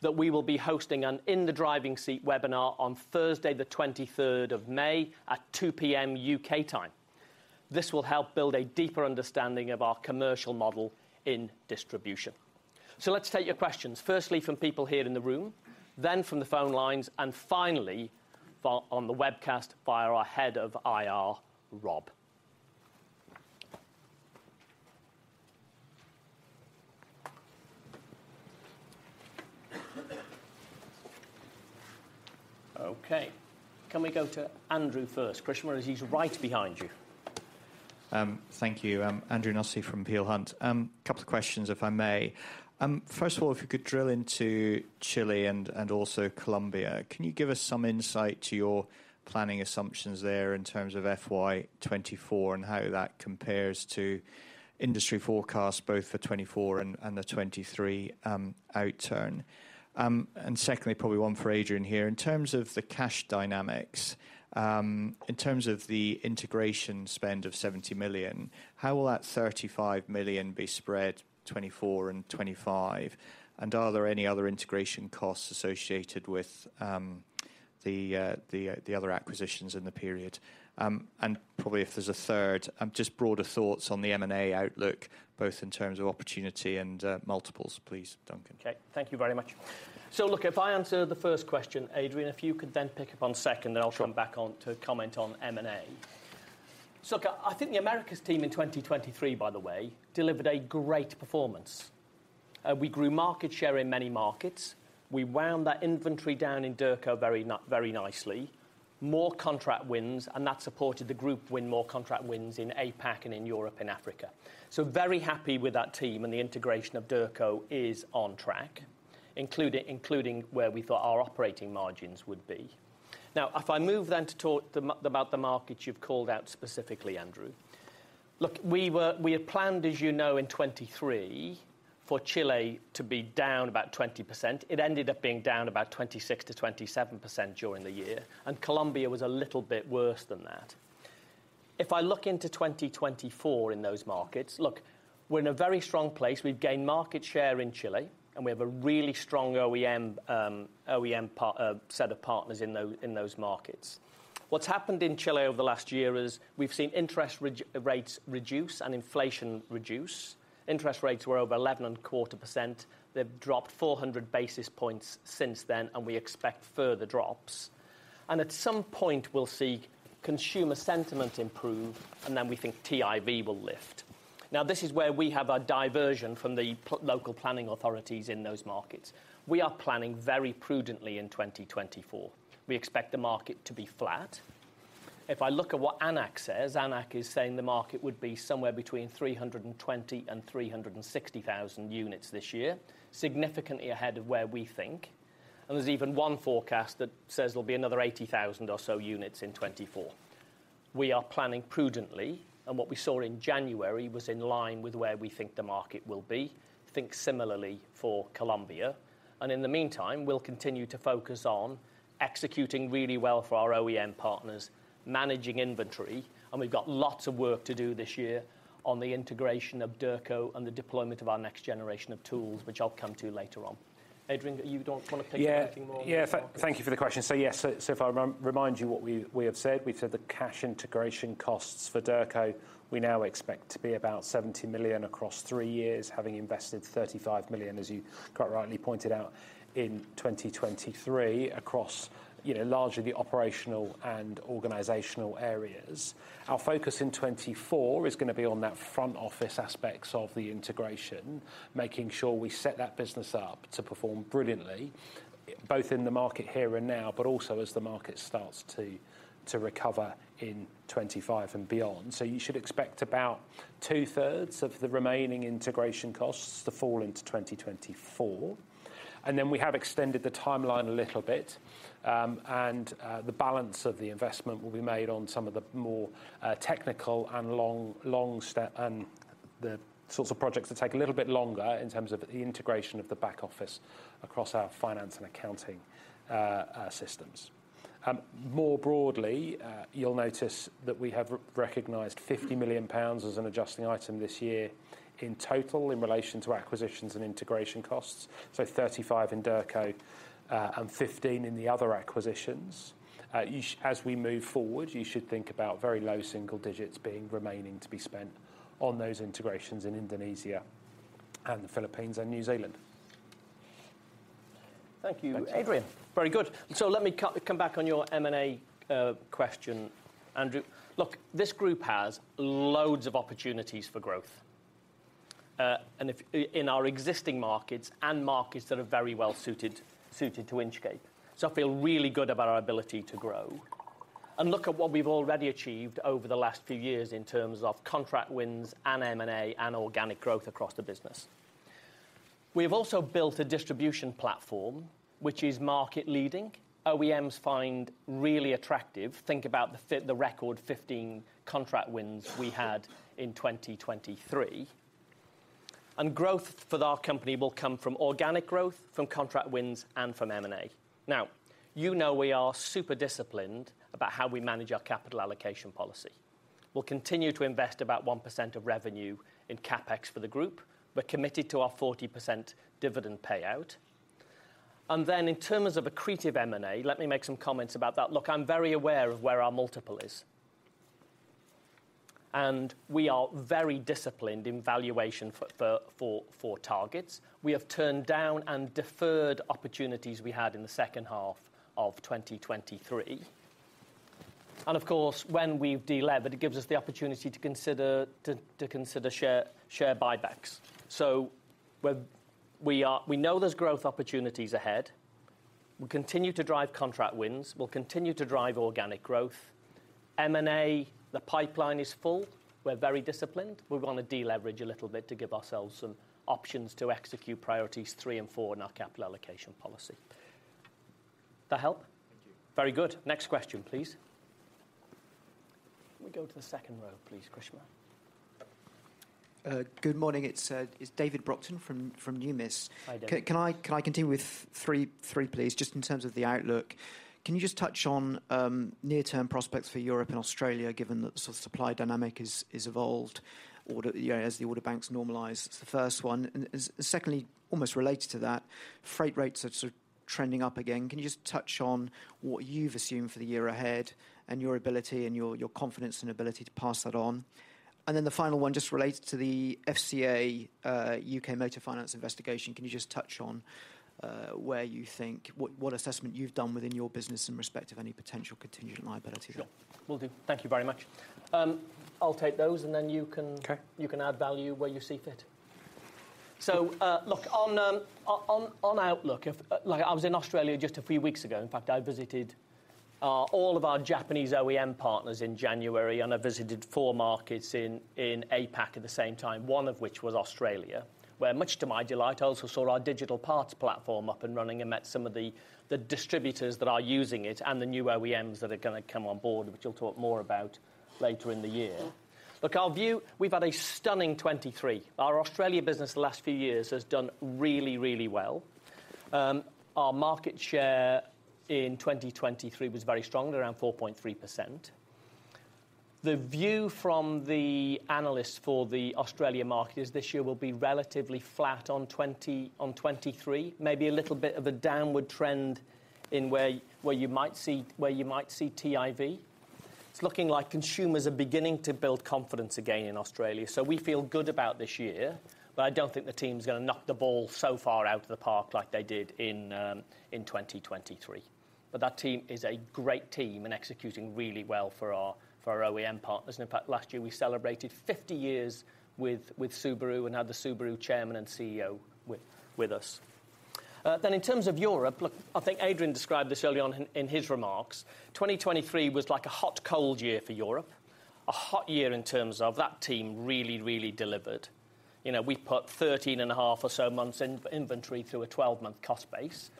that we will be hosting an In the Driving Seat webinar on Thursday, the 23rd of May at 2:00 P.M. UK time. This will help build a deeper understanding of our commercial model in distribution. So let's take your questions, firstly from people here in the room, then from the phone lines, and finally, on the webcast via our Head of IR, Rob.... Okay. Can we go to Andrew first? Krishna, It's right behind you. Thank you. I am Andrew Sheridan from Peel Hunt. Couple of questions, if I may. First of all, if you could drill into Chile and also Colombia, can you give us some insight to your planning assumptions there in terms of FY 2024 and how that compares to industry forecasts, both for 2024 and the 2023 outturn? And secondly, probably one for Adrian here. In terms of the cash dynamics, in terms of the integration spend of 70 million, how will that 35 million be spread 2024 and 2025? And are there any other integration costs associated with the other acquisitions in the period? And probably if there's a third, just broader thoughts on the M&A outlook, both in terms of opportunity and multiples, please, Duncan. Okay, thank you very much. So look, if I answer the first question, Adrian, if you could then pick up on second- Sure. Then I'll come back on to comment on M&A. So look, I think the Americas team in 2023, by the way, delivered a great performance. We grew market share in many markets. We wound that inventory down in Derco very nicely. More contract wins, and that supported the group win more contract wins in APAC and in Europe and Africa. So very happy with that team, and the integration of Derco is on track, including where we thought our operating margins would be. Now, if I move then to talk about the markets you've called out specifically, Andrew. Look, we were, we had planned, as you know, in 2023, for Chile to be down about 20%. It ended up being down about 26%-27% during the year, and Colombia was a little bit worse than that. If I look into 2024 in those markets, look, we're in a very strong place. We've gained market share in Chile, and we have a really strong OEM, OEM part, set of partners in those markets. What's happened in Chile over the last year is, we've seen interest rates reduce and inflation reduce. Interest rates were over 11.25%. They've dropped 400 basis points since then, and we expect further drops. And at some point, we'll see consumer sentiment improve, and then we think TIV will lift. Now, this is where we have a diversion from the local planning authorities in those markets. We are planning very prudently in 2024. We expect the market to be flat. If I look at what ANAC says, ANAC is saying the market would be somewhere between 320 and 360 thousand units this year, significantly ahead of where we think. There's even one forecast that says there'll be another 80,000 or so units in 2024. We are planning prudently, and what we saw in January was in line with where we think the market will be. Think similarly for Colombia. In the meantime, we'll continue to focus on executing really well for our OEM partners, managing inventory, and we've got lots of work to do this year on the integration of Derco and the deployment of our next generation of tools, which I'll come to later on. Adrian, you don't wanna pick anything more? Yeah. Yeah, thank you for the question. So yes, so if I remind you what we have said, we've said the cash integration costs for Derco, we now expect to be about 70 million across three years, having invested 35 million, as you quite rightly pointed out, in 2023, across, you know, largely the operational and organizational areas. Our focus in 2024 is gonna be on that front office aspects of the integration, making sure we set that business up to perform brilliantly, both in the market here and now, but also as the market starts to recover in 2025 and beyond. So you should expect about two-thirds of the remaining integration costs to fall into 2024. And then we have extended the timeline a little bit, and the balance of the investment will be made on some of the more technical and long, long step, and the sorts of projects that take a little bit longer in terms of the integration of the back office across our finance and accounting systems. More broadly, you'll notice that we have recognized 50 million pounds as an adjusting item this year in total, in relation to acquisitions and integration costs, so 35 in Derco, and 15 in the other acquisitions. As we move forward, you should think about very low single digits being remaining to be spent on those integrations in Indonesia and the Philippines and New Zealand. Thank you, Adrian. Thanks. Very good. So let me come back on your M&A question, Andrew. Look, this group has loads of opportunities for growth, and in our existing markets and markets that are very well suited to Inchcape. So I feel really good about our ability to grow. And look at what we've already achieved over the last few years in terms of contract wins and M&A and organic growth across the business. We have also built a distribution platform, which is market leading, OEMs find really attractive. Think about the fit, the record 15 contract wins we had in 2023. And growth for our company will come from organic growth, from contract wins, and from M&A. Now, you know we are super disciplined about how we manage our capital allocation policy. We'll continue to invest about 1% of revenue in CapEx for the group. We're committed to our 40% dividend payout. And then, in terms of accretive M&A, let me make some comments about that. Look, I'm very aware of where our multiple is. And we are very disciplined in valuation for targets. We have turned down and deferred opportunities we had in the second half of 2023.... And of course, when we've delevered, it gives us the opportunity to consider share buybacks. So where we are, we know there's growth opportunities ahead. We continue to drive contract wins. We'll continue to drive organic growth. M&A, the pipeline is full. We're very disciplined. We're gonna deleverage a little bit to give ourselves some options to execute priorities 3 and 4 in our capital allocation policy. That help? Thank you. Very good. Next question, please. Can we go to the second row, please, Krishna? Good morning. It's David Sheridan from Numis. Hi, David. Can I continue with three, please, just in terms of the outlook. Can you just touch on near-term prospects for Europe and Australia, given that the sort of supply dynamic is evolved, you know, as the order banks normalize? It's the first one. And secondly, almost related to that, freight rates are sort of trending up again. Can you just touch on what you've assumed for the year ahead and your ability and your confidence and ability to pass that on? And then the final one, just related to the FCA, U.K. motor finance investigation, can you just touch on where you think what assessment you've done within your business in respect of any potential contingent liability there? Sure, will do. Thank you very much. I'll take those, and then you can- Okay. You can add value where you see fit. So, look, on outlook, like, I was in Australia just a few weeks ago. In fact, I visited all of our Japanese OEM partners in January, and I visited four markets in APAC at the same time, one of which was Australia, where much to my delight, I also saw our digital parts platform up and running and met some of the distributors that are using it and the new OEMs that are gonna come on board, which I'll talk more about later in the year. Look, our view, we've had a stunning 2023. Our Australia business the last few years has done really, really well. Our market share in 2023 was very strong, around 4.3%. The view from the analysts for the Australia market is this year will be relatively flat on 2020 on 2023, maybe a little bit of a downward trend in where you might see TIV. It's looking like consumers are beginning to build confidence again in Australia, so we feel good about this year, but I don't think the team's gonna knock the ball so far out of the park like they did in 2023. But that team is a great team and executing really well for our OEM partners. And in fact, last year, we celebrated 50 years with Subaru and had the Subaru chairman and CEO with us. Then in terms of Europe, look, I think Adrian described this early on in his remarks, 2023 was like a hot, cold year for Europe. A hot year in terms of that team really, really delivered. You know, we put 13.5 or so months inventory through a 12-month cost base.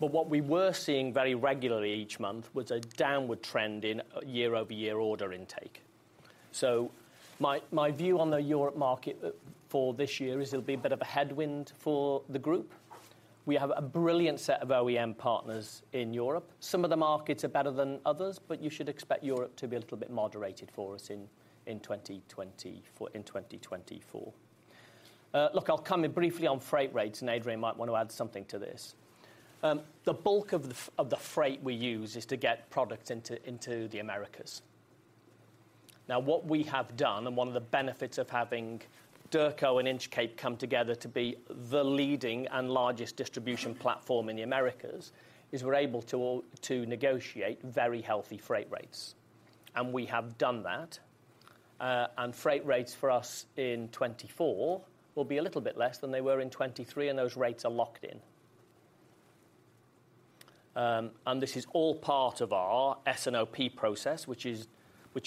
But what we were seeing very regularly each month was a downward trend in year-over-year order intake. So my view on the Europe market for this year is it'll be a bit of a headwind for the group. We have a brilliant set of OEM partners in Europe. Some of the markets are better than others, but you should expect Europe to be a little bit moderated for us in 2024. Look, I'll come in briefly on freight rates, and Adrian might want to add something to this. The bulk of the freight we use is to get products into the Americas. Now, what we have done, and one of the benefits of having Derco and Inchcape come together to be the leading and largest distribution platform in the Americas, is we're able to negotiate very healthy freight rates, and we have done that. And freight rates for us in 2024 will be a little bit less than they were in 2023, and those rates are locked in. And this is all part of our S&OP process, which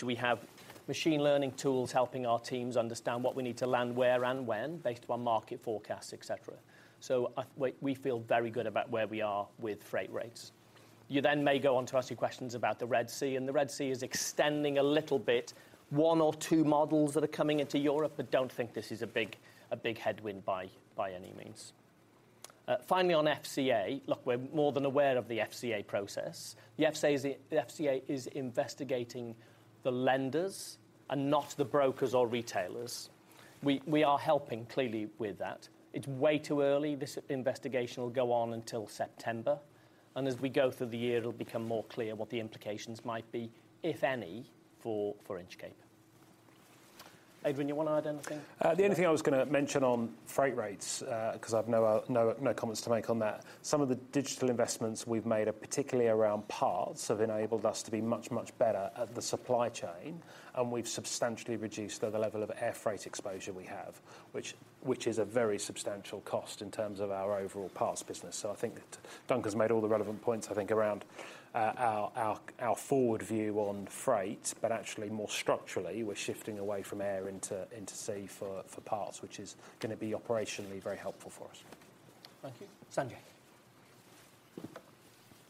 we have machine learning tools helping our teams understand what we need to land, where, and when, based on market forecasts, et cetera. So we feel very good about where we are with freight rates. You then may go on to ask me questions about the Red Sea, and the Red Sea is extending a little bit, one or two models that are coming into Europe, but don't think this is a big headwind by any means. Finally, on FCA, look, we're more than aware of the FCA process. The FCA is investigating the lenders and not the brokers or retailers. We are helping clearly with that. It's way too early. This investigation will go on until September, and as we go through the year, it'll become more clear what the implications might be, if any, for Inchcape. Adrian, you want to add anything? The only thing I was gonna mention on freight rates, because I've no comments to make on that. Some of the digital investments we've made, particularly around parts, have enabled us to be much, much better at the supply chain, and we've substantially reduced the level of air freight exposure we have, which is a very substantial cost in terms of our overall parts business. So I think Duncan has made all the relevant points, I think, around our forward view on freight, but actually, more structurally, we're shifting away from air into sea for parts, which is gonna be operationally very helpful for us. Thank you. Sanjay.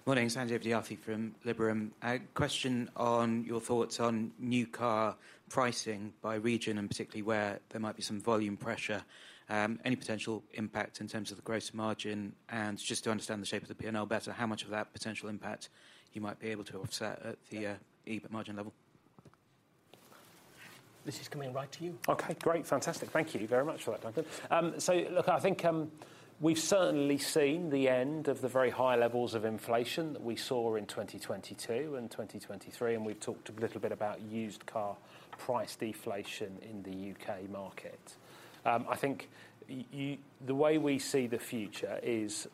Morning, Sanjay Vidyarthi from Liberum. A question on your thoughts on new car pricing by region, and particularly where there might be some volume pressure, any potential impact in terms of the gross margin, and just to understand the shape of the PNL better, how much of that potential impact you might be able to offset at the, EBIT margin level? This is coming right to you. Okay, great. Fantastic. Thank you very much for that, Duncan. So look, I think, we've certainly seen the end of the very high levels of inflation that we saw in 2022 and 2023, and we've talked a little bit about used car price deflation in the UK market. I think you, the way we see the future is,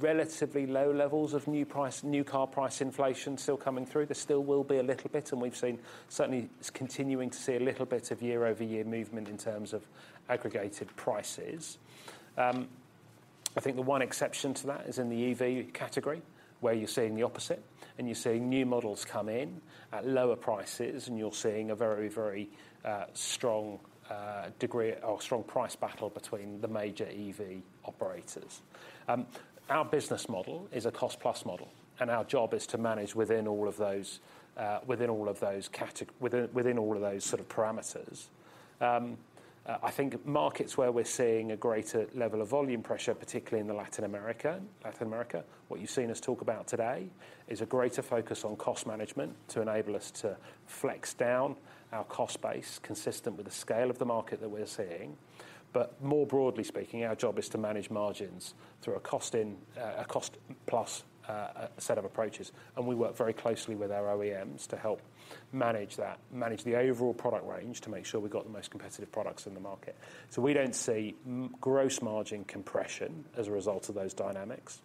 relatively low levels of new price, new car price inflation still coming through. There still will be a little bit, and we've seen, certainly continuing to see a little bit of year-over-year movement in terms of aggregated prices. I think the one exception to that is in the EV category, where you're seeing the opposite, and you're seeing new models come in at lower prices, and you're seeing a very, very, strong, degree or strong price battle between the major EV operators. Our business model is a cost-plus model, and our job is to manage within all of those, within all of those sort of parameters. I think markets where we're seeing a greater level of volume pressure, particularly in the Latin America, Latin America, what you've seen us talk about today, is a greater focus on cost management to enable us to flex down our cost base, consistent with the scale of the market that we're seeing. But more broadly speaking, our job is to manage margins through a cost in, a cost plus, set of approaches. And we work very closely with our OEMs to help manage that, manage the overall product range to make sure we've got the most competitive products in the market. So we don't see gross margin compression as a result of those dynamics,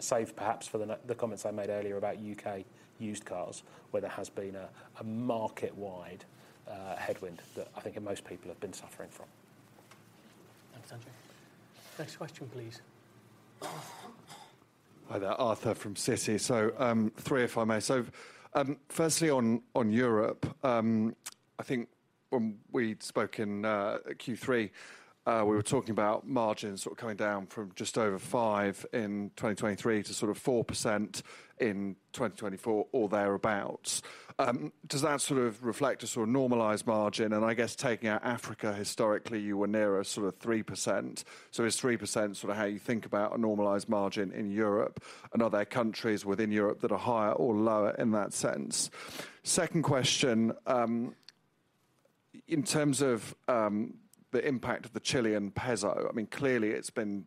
save perhaps for the comments I made earlier about UK used cars, where there has been a market-wide headwind that I think most people have been suffering from. Thanks, Sanjay. Next question, please. Hi there, Arthur from Citi. So, three, if I may. So, firstly, on Europe, I think when we spoke in Q3, we were talking about margins sort of coming down from just over 5% in 2023 to sort of 4% in 2024 or thereabouts. Does that sort of reflect a sort of normalized margin? And I guess taking out Africa, historically, you were nearer sort of 3%. So is 3% sort of how you think about a normalized margin in Europe, and are there countries within Europe that are higher or lower in that sense? Second question, in terms of the impact of the Chilean peso, I mean, clearly, it's been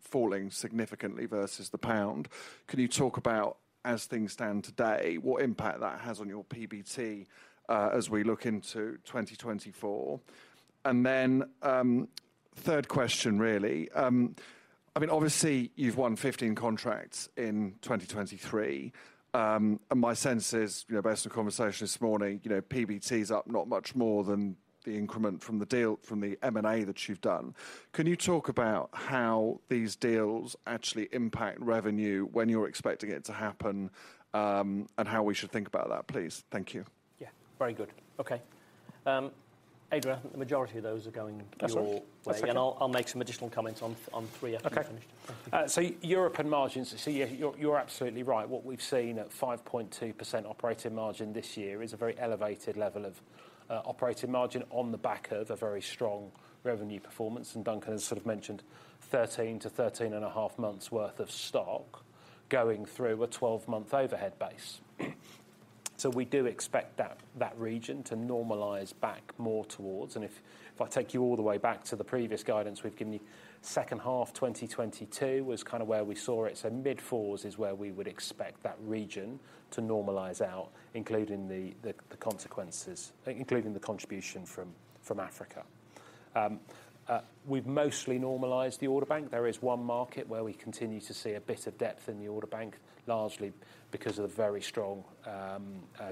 falling significantly versus the pound. Can you talk about, as things stand today, what impact that has on your PBT, as we look into 2024? And then, third question, really: I mean, obviously, you've won 15 contracts in 2023, and my sense is, you know, based on a conversation this morning, you know, PBT's up not much more than the increment from the deal, from the M&A that you've done. Can you talk about how these deals actually impact revenue, when you're expecting it to happen, and how we should think about that, please? Thank you. Yeah, very good. Okay. Adrian, the majority of those are going you. That's all. Wait, and I'll make some additional comments on three after you've finished. Okay. So Europe and margins, so yeah, you're absolutely right. What we've seen at 5.2% operating margin this year is a very elevated level of operating margin on the back of a very strong revenue performance. And Duncan has sort of mentioned 13-13.5 months' worth of stock going through a 12-month overhead base. So we do expect that region to normalize back more towards... And if I take you all the way back to the previous guidance we've given you, second half 2022 was kind of where we saw it. So mid-fours is where we would expect that region to normalize out, including the consequences, including the contribution from Africa. We've mostly normalized the order bank. There is one market where we continue to see a bit of depth in the order bank, largely because of the very strong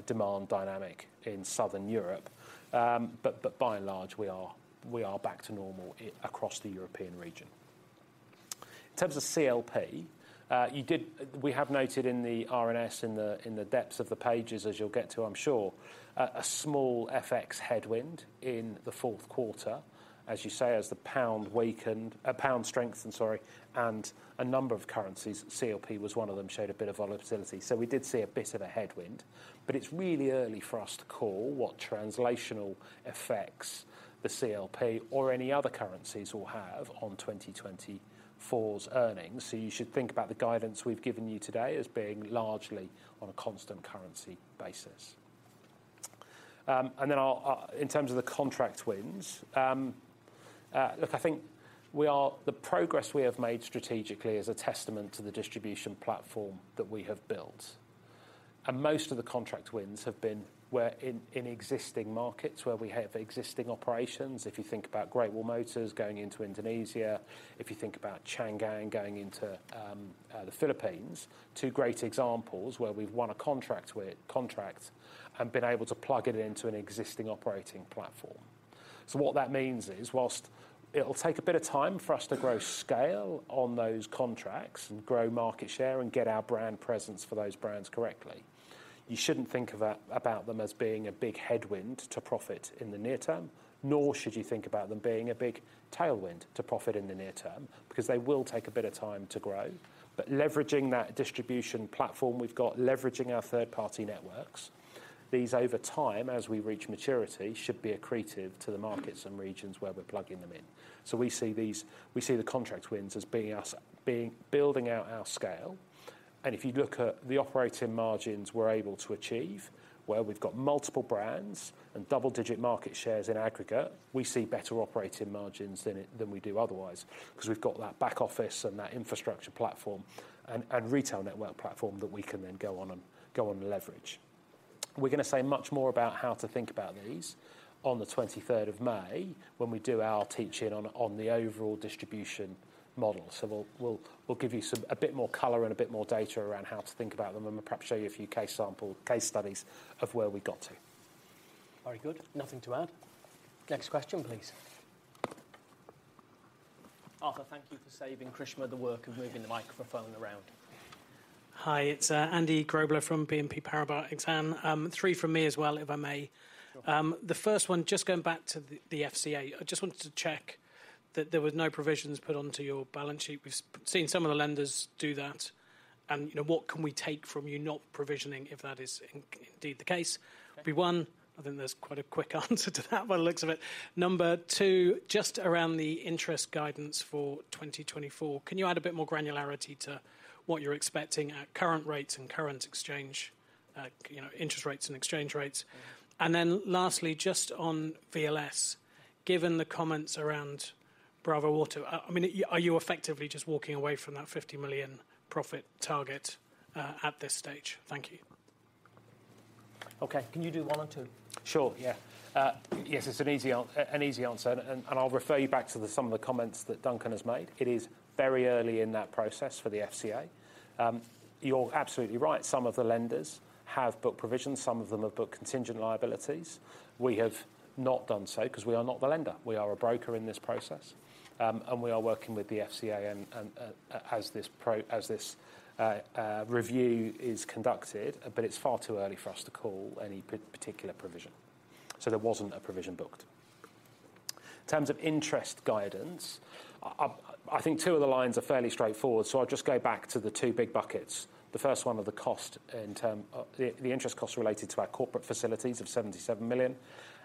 demand dynamic in Southern Europe. But by and large, we are back to normal across the European region. In terms of CLP, you did—we have noted in the RNS, in the depths of the pages, as you'll get to, I'm sure, a small FX headwind in the fourth quarter, as you say, as the pound weakened, pound strengthened, sorry, and a number of currencies, CLP was one of them, showed a bit of volatility. So we did see a bit of a headwind, but it's really early for us to call what translational effects the CLP or any other currencies will have on 2024's earnings. So you should think about the guidance we've given you today as being largely on a constant currency basis. And then our, in terms of the contract wins, look, I think we are the progress we have made strategically is a testament to the distribution platform that we have built. And most of the contract wins have been where in existing markets, where we have existing operations. If you think about Great Wall Motors going into Indonesia, if you think about Changan going into the Philippines, two great examples where we've won a contract with contract and been able to plug it into an existing operating platform. So what that means is, while it'll take a bit of time for us to grow scale on those contracts and grow market share and get our brand presence for those brands correctly, you shouldn't think of that, about them as being a big headwind to profit in the near term, nor should you think about them being a big tailwind to profit in the near term, because they will take a bit of time to grow. But leveraging that distribution platform we've got, leveraging our third-party networks, these over time, as we reach maturity, should be accretive to the markets and regions where we're plugging them in. So we see these, we see the contract wins as being us, being, building out our scale. And if you look at the operating margins we're able to achieve, where we've got multiple brands and double-digit market shares in aggregate, we see better operating margins in it than we do otherwise, 'cause we've got that back office and that infrastructure platform and, and retail network platform that we can then go on and, go on and leverage.... We're gonna say much more about how to think about these on the 23rd of May when we do our teach-in on, on the overall distribution model. So we'll, we'll, we'll give you some, a bit more color and a bit more data around how to think about them, and perhaps show you a few case sample, case studies of where we got to. Very good. Nothing to add. Next question, please. Arthur, thank you for saving Krishna the work of moving the microphone around. Hi, it's Andy Grobler from BNP Paribas Exane. Three from me as well, if I may. Sure. The first one, just going back to the FCA. I just wanted to check that there were no provisions put onto your balance sheet. We've seen some of the lenders do that, and, you know, what can we take from you not provisioning, if that is indeed the case? That'd be one. I think there's quite a quick answer to that by the looks of it. Number two, just around the interest guidance for 2024, can you add a bit more granularity to what you're expecting at current rates and current exchange, you know, interest rates and exchange rates? And then lastly, just on VLS, given the comments around bravoauto, I mean, are you effectively just walking away from that 50 million profit target at this stage? Thank you. Okay, can you do one and two? Sure, yeah. Yes, it's an easy answer, and I'll refer you back to some of the comments that Duncan has made. It is very early in that process for the FCA. You're absolutely right. Some of the lenders have booked provisions, some of them have booked contingent liabilities. We have not done so because we are not the lender. We are a broker in this process, and we are working with the FCA and as this review is conducted, but it's far too early for us to call any particular provision. So there wasn't a provision booked. In terms of interest guidance, I think two of the lines are fairly straightforward, so I'll just go back to the two big buckets. The first one are the cost in term... The interest costs related to our corporate facilities of 77 million,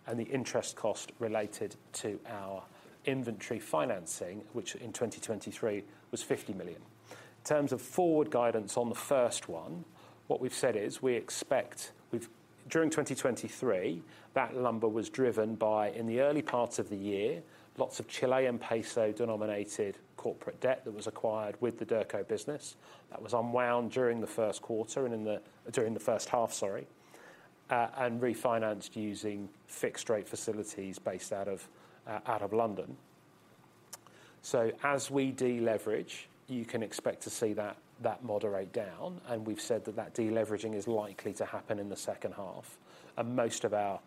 and the interest cost related to our inventory financing, which in 2023 was 50 million. In terms of forward guidance on the first one, what we've said is we expect, we've—during 2023, that number was driven by, in the early parts of the year, lots of Chilean peso-denominated corporate debt that was acquired with the Derco business. That was unwound during the first quarter and during the first half, sorry, and refinanced using fixed rate facilities based out of out of London. So as we deleverage, you can expect to see that, that moderate down, and we've said that that deleveraging is likely to happen in the second half. And most of our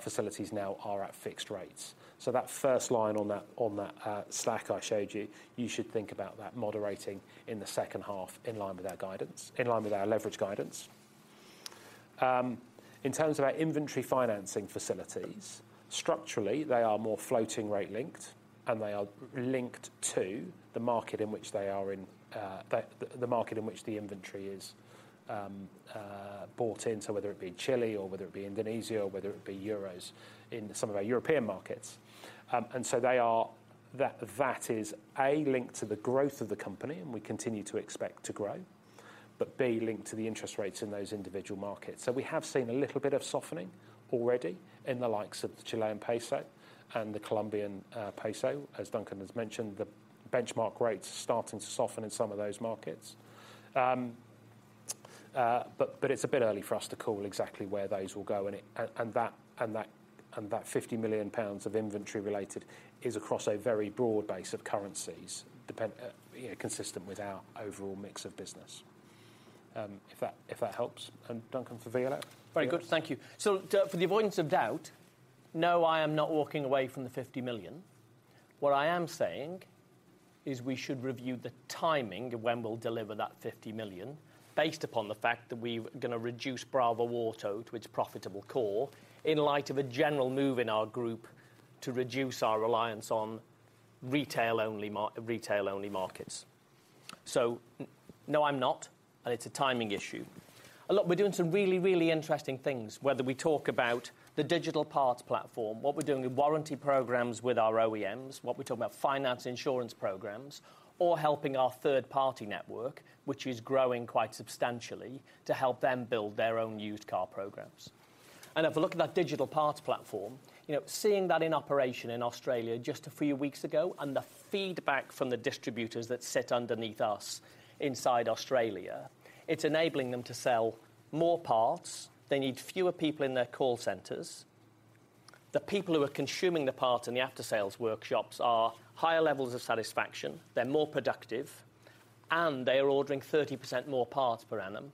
facilities now are at fixed rates. So that first line on that slide I showed you, you should think about that moderating in the second half in line with our guidance, in line with our leverage guidance. In terms of our inventory financing facilities, structurally, they are more floating rate linked, and they are linked to the market in which they are in, the market in which the inventory is bought into, whether it be Chile or whether it be Indonesia, or whether it be euros in some of our European markets. And so they are... That is, A, linked to the growth of the company, and we continue to expect to grow. But, B, linked to the interest rates in those individual markets. So we have seen a little bit of softening already in the likes of the Chilean peso and the Colombian peso. As Duncan has mentioned, the benchmark rates are starting to soften in some of those markets. But it's a bit early for us to call exactly where those will go, and that 50 million pounds of inventory related is across a very broad base of currencies, dependent, consistent with our overall mix of business. If that helps, and Duncan, for VLA? Very good, thank you. So for the avoidance of doubt, no, I am not walking away from the 50 million. What I am saying is we should review the timing of when we'll deliver that 50 million, based upon the fact that we're gonna reduce Bravo Auto to its profitable core, in light of a general move in our group to reduce our reliance on retail-only markets. So no, I'm not, and it's a timing issue. A lot... We're doing some really, really interesting things, whether we talk about the digital parts platform, what we're doing with warranty programs with our OEMs, what we're talking about finance insurance programs, or helping our third-party network, which is growing quite substantially, to help them build their own used car programs. And if we look at that digital parts platform, you know, seeing that in operation in Australia just a few weeks ago, and the feedback from the distributors that sit underneath us inside Australia, it's enabling them to sell more parts. They need fewer people in their call centers. The people who are consuming the parts in the aftersales workshops are higher levels of satisfaction, they're more productive, and they are ordering 30% more parts per annum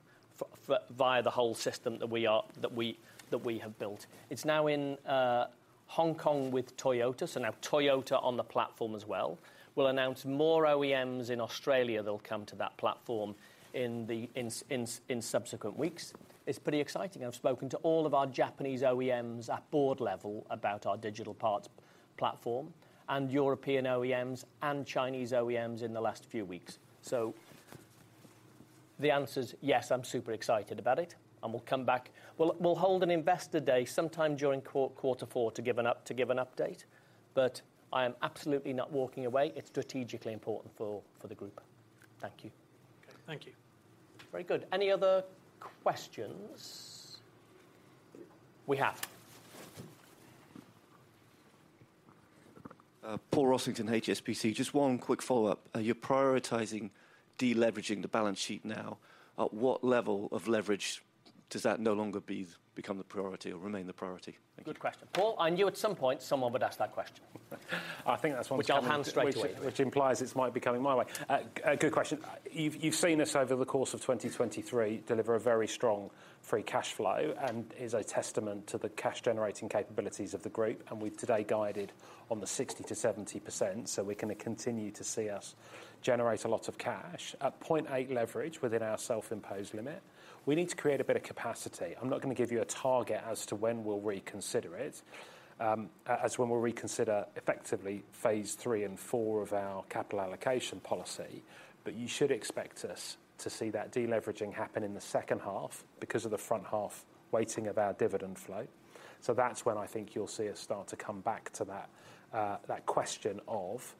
via the whole system that we have built. It's now in Hong Kong with Toyota, so now Toyota on the platform as well. We'll announce more OEMs in Australia that'll come to that platform in subsequent weeks. It's pretty exciting. I've spoken to all of our Japanese OEMs at board level about our digital parts platform, and European OEMs, and Chinese OEMs in the last few weeks. So the answer is yes, I'm super excited about it, and we'll come back. We'll hold an investor day sometime during quarter four to give an update, but I am absolutely not walking away. It's strategically important for the group. Thank you. Okay, thank you. Very good. Any other questions? We have. Paul Rossington, HSBC. Just one quick follow-up. You're prioritizing de-leveraging the balance sheet now. At what level of leverage does that no longer be, become the priority or remain the priority? Thank you. Good question. Paul, I knew at some point someone would ask that question. I think that's one- Which I'll hand straight away. Which, which implies it might be coming my way. Good question. You've, you've seen us over the course of 2023 deliver a very strong free cash flow, and is a testament to the cash-generating capabilities of the group, and we've today guided on the 60%-70%, so we're gonna continue to see us generate a lot of cash. At 0.8 leverage within our self-imposed limit, we need to create a bit of capacity. I'm not gonna give you a target as to when we'll reconsider it, as when we'll reconsider effectively phase 3 and 4 of our capital allocation policy. But you should expect us to see that de-leveraging happen in the second half because of the front half weighting of our dividend flow. So that's when I think you'll see us start to come back to that, that question of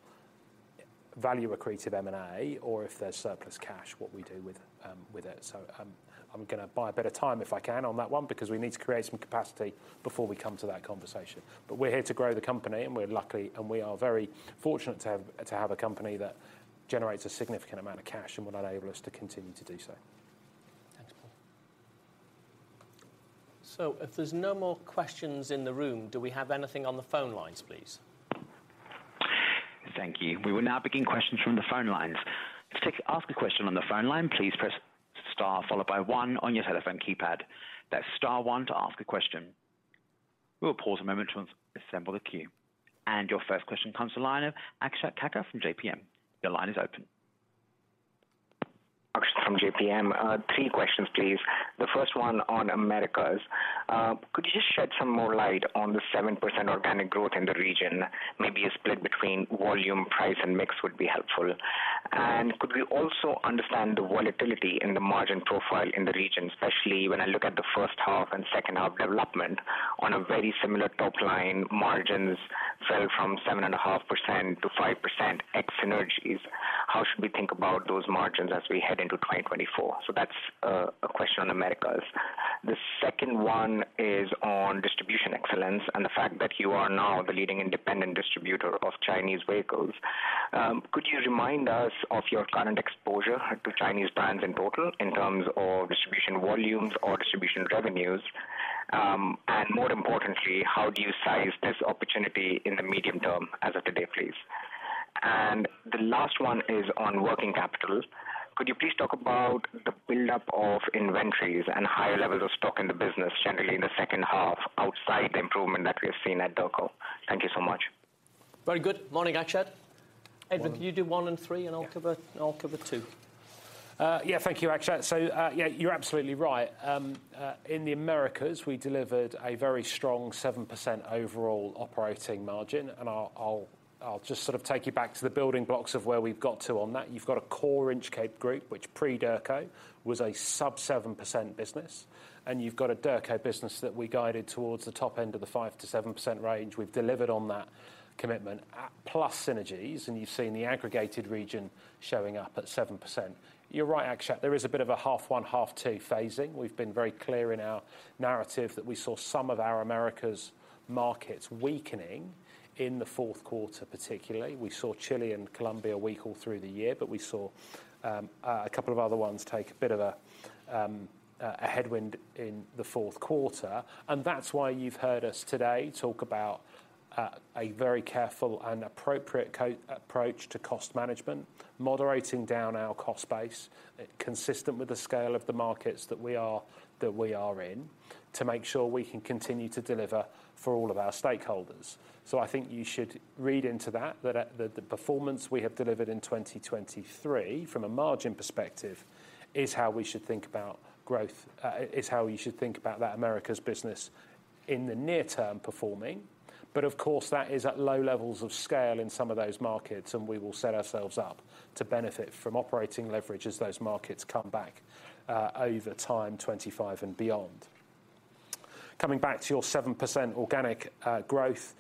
value accretive M&A, or if there's surplus cash, what we do with, with it. So, I'm gonna buy a bit of time, if I can, on that one, because we need to create some capacity before we come to that conversation. But we're here to grow the company, and we're lucky, and we are very fortunate to have, to have a company that generates a significant amount of cash and will enable us to continue to do so. Thanks, Paul. So if there's no more questions in the room, do we have anything on the phone lines, please? Thank you. We will now begin questions from the phone lines. To ask a question on the phone line, please press star followed by one on your telephone keypad. That's star one to ask a question. We'll pause a moment to assemble the queue. And your first question comes from the line of Akshat Kacker from JPM. Your line is open. Akshat from JPM. Three questions, please. The first one on Americas. Could you just shed some more light on the 7% organic growth in the region? Maybe a split between volume, price, and mix would be helpful. And could we also understand the volatility in the margin profile in the region, especially when I look at the first half and second half development on a very similar top line, margins fell from 7.5% to 5% ex synergies. How should we think about those margins as we head into 2024? So that's a question on Americas. The second one is on distribution excellence and the fact that you are now the leading independent distributor of Chinese vehicles. Could you remind us of your current exposure to Chinese brands in total, in terms of distribution volumes or distribution revenues? And more importantly, how do you size this opportunity in the medium term as of today, please? And the last one is on working capital. Could you please talk about the buildup of inventories and higher levels of stock in the business generally in the second half, outside the improvement that we have seen at Derco? Thank you so much. Very good. Morning, Akshat. Morning. Edward, you do one and three- Yeah. and I'll cover, I'll cover two. Yeah, thank you, Akshat. So, yeah, you're absolutely right. In the Americas, we delivered a very strong 7% overall operating margin, and I'll just sort of take you back to the building blocks of where we've got to on that. You've got a core Inchcape group, which pre-Derco was a sub-7% business, and you've got a Derco business that we guided towards the top end of the 5%-7% range. We've delivered on that commitment at plus synergies, and you've seen the aggregated region showing up at 7%. You're right, Akshat, there is a bit of a half one, half two phasing. We've been very clear in our narrative that we saw some of our Americas markets weakening in the fourth quarter, particularly. We saw Chile and Colombia weak all through the year, but we saw a couple of other ones take a bit of a headwind in the fourth quarter. And that's why you've heard us today talk about a very careful and appropriate co- approach to cost management, moderating down our cost base, consistent with the scale of the markets that we are, that we are in, to make sure we can continue to deliver for all of our stakeholders. So I think you should read into that, that the performance we have delivered in 2023, from a margin perspective, is how we should think about growth... is how you should think about that Americas business in the near term performing. But of course, that is at low levels of scale in some of those markets, and we will set ourselves up to benefit from operating leverage as those markets come back over time, 25 and beyond. Coming back to your 7% organic growth,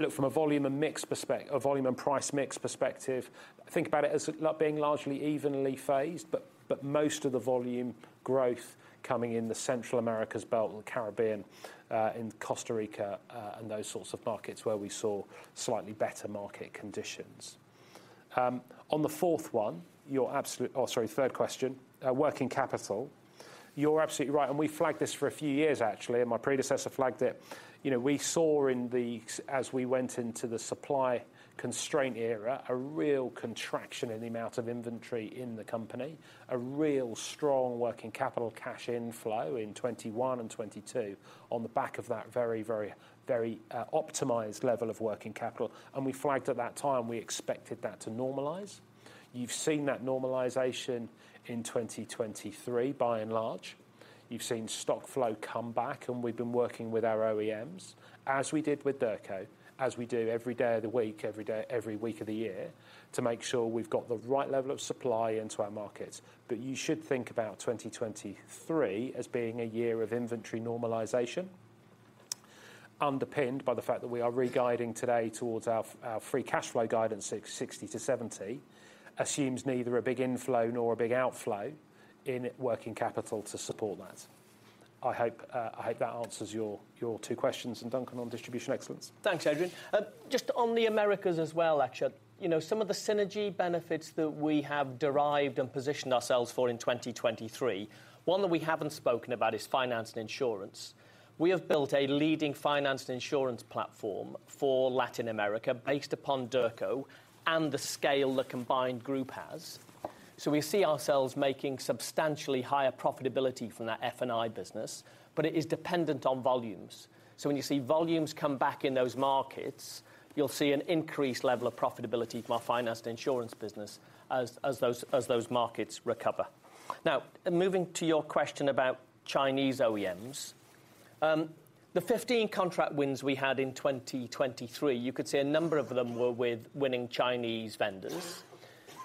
look, from a volume and price mix perspective, think about it as being largely evenly phased, but most of the volume growth coming in the Central America's belt, the Caribbean, in Costa Rica, and those sorts of markets where we saw slightly better market conditions. On the fourth one, your absolute, oh, sorry, third question, working capital. You're absolutely right, and we flagged this for a few years, actually, and my predecessor flagged it. You know, we saw as we went into the supply constraint era a real contraction in the amount of inventory in the company, a real strong working capital cash inflow in 2021 and 2022 on the back of that very, very, very optimized level of working capital, and we flagged at that time we expected that to normalize. You've seen that normalization in 2023, by and large. You've seen stock flow come back, and we've been working with our OEMs, as we did with Derco, as we do every day of the week, every day, every week of the year, to make sure we've got the right level of supply into our markets. But you should think about 2023 as being a year of inventory normalization, underpinned by the fact that we are re-guiding today towards our free cash flow guidance, 60 million-70 million, assumes neither a big inflow nor a big outflow in working capital to support that. I hope that answers your two questions. And Duncan, on distribution excellence. Thanks, Adrian. Just on the Americas as well, actually, you know, some of the synergy benefits that we have derived and positioned ourselves for in 2023, one that we haven't spoken about is finance and insurance. We have built a leading finance and insurance platform for Latin America based upon Derco and the scale the combined group has. So we see ourselves making substantially higher profitability from that F&I business, but it is dependent on volumes. So when you see volumes come back in those markets, you'll see an increased level of profitability from our finance and insurance business as, as those, as those markets recover. Now, moving to your question about Chinese OEMs. The 15 contract wins we had in 2023, you could say a number of them were with winning Chinese vendors.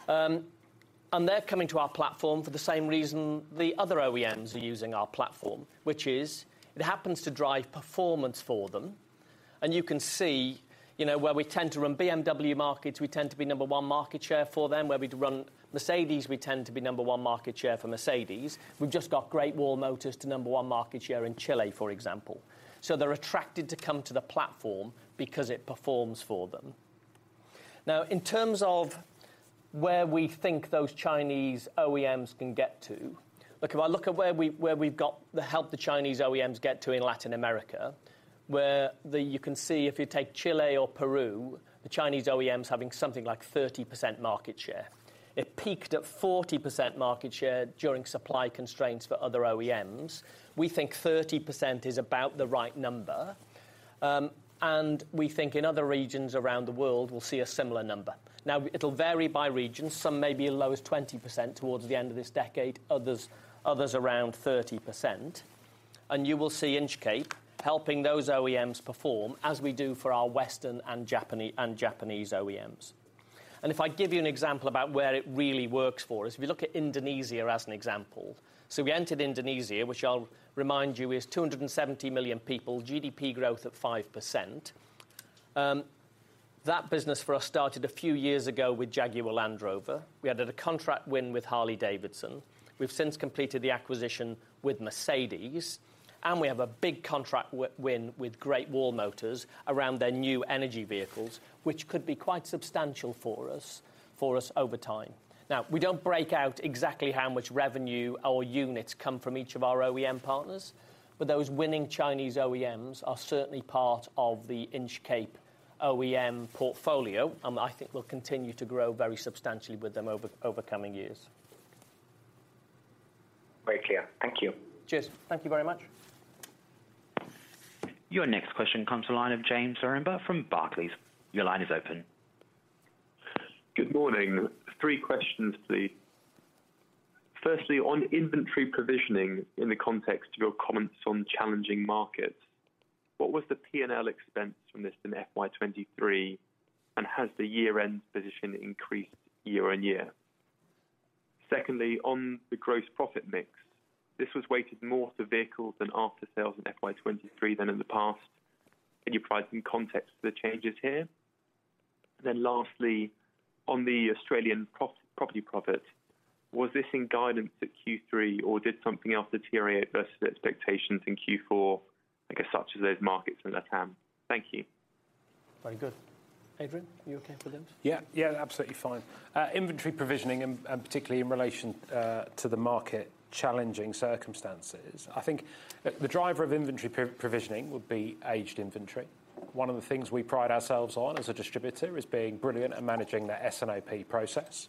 And they're coming to our platform for the same reason the other OEMs are using our platform, which is, it happens to drive performance for them. And you can see, you know, where we tend to run BMW markets, we tend to be number one market share for them. Where we run Mercedes, we tend to be number one market share for Mercedes. We've just got Great Wall Motors to number one market share in Chile, for example. So they're attracted to come to the platform because it performs for them. Now, in terms of where we think those Chinese OEMs can get to, look, if I look at where we've got to help the Chinese OEMs get to in Latin America, where the... You can see if you take Chile or Peru, the Chinese OEMs having something like 30% market share. It peaked at 40% market share during supply constraints for other OEMs. We think 30% is about the right number, and we think in other regions around the world, we'll see a similar number. Now, it'll vary by region. Some may be as low as 20% towards the end of this decade, others, others around 30%. And you will see Inchcape helping those OEMs perform as we do for our Western and Japanese OEMs. And if I give you an example about where it really works for us, if you look at Indonesia as an example. So we entered Indonesia, which I'll remind you, is 270 million people, GDP growth at 5%. That business for us started a few years ago with Jaguar Land Rover. We had a contract win with Harley-Davidson. We've since completed the acquisition with Mercedes, and we have a big contract win with Great Wall Motors around their new energy vehicles, which could be quite substantial for us, for us over time. Now, we don't break out exactly how much revenue or units come from each of our OEM partners, but those winning Chinese OEMs are certainly part of the Inchcape OEM portfolio, and I think will continue to grow very substantially with them over coming years. Very clear. Thank you. Cheers. Thank you very much. Your next question comes from the line of James Zaremba from Barclays. Your line is open. Good morning. Three questions, please. Firstly, on inventory provisioning in the context of your comments on challenging markets, what was the P&L expense from this in FY 2023, and has the year-end position increased year-on-year? Secondly, on the gross profit mix, this was weighted more to vehicles and after sales in FY 2023 than in the past. Can you provide some context for the changes here? Then lastly, on the Australian property profit, was this in guidance at Q3, or did something else deteriorate versus expectations in Q4, I guess, such as those markets in Latam? Thank you. Very good. Adrian, are you okay for this? Yeah, yeah, absolutely fine. Inventory provisioning, and, and particularly in relation to the market challenging circumstances, I think the driver of inventory provisioning would be aged inventory. One of the things we pride ourselves on as a distributor is being brilliant at managing the S&OP process.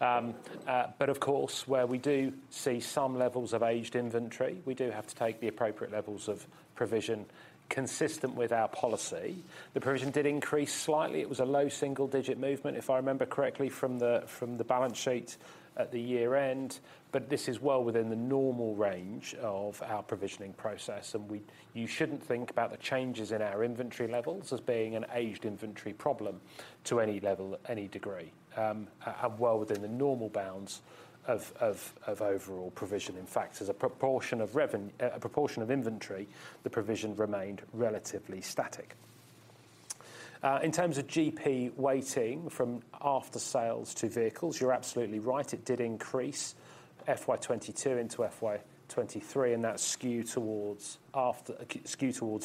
But of course, where we do see some levels of aged inventory, we do have to take the appropriate levels of provision consistent with our policy. The provision did increase slightly. It was a low single digit movement, if I remember correctly, from the balance sheet at the year end, but this is well within the normal range of our provisioning process, and we-- you shouldn't think about the changes in our inventory levels as being an aged inventory problem to any level, at any degree. Well within the normal bounds of overall provision. In fact, as a proportion of inventory, the provision remained relatively static. In terms of GP weighting from after sales to vehicles, you're absolutely right, it did increase FY 2022 into FY 2023, and that skew towards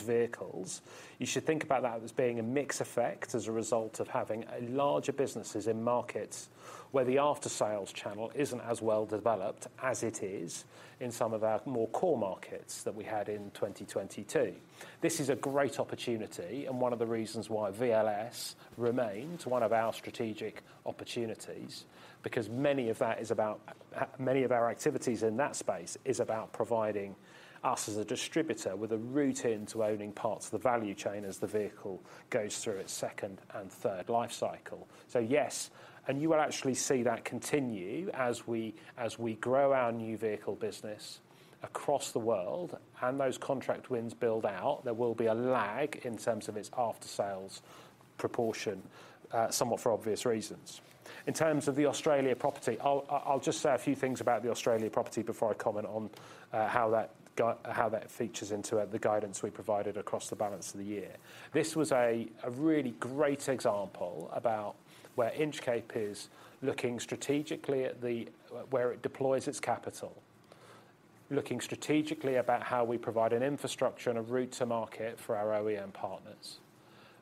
vehicles. You should think about that as being a mix effect as a result of having larger businesses in markets where the after-sales channel isn't as well developed as it is in some of our more core markets that we had in 2022. This is a great opportunity and one of the reasons why VLS remains one of our strategic opportunities, because many of that is about, many of our activities in that space is about providing us as a distributor with a route into owning parts of the value chain as the vehicle goes through its second and third life cycle. So yes, and you will actually see that continue as we, as we grow our new vehicle business across the world and those contract wins build out, there will be a lag in terms of its after-sales proportion, somewhat for obvious reasons. In terms of the Australia property, I'll, I'll just say a few things about the Australia property before I comment on, how that features into, the guidance we provided across the balance of the year. This was a really great example about where Inchcape is looking strategically at where it deploys its capital, looking strategically about how we provide an infrastructure and a route to market for our OEM partners.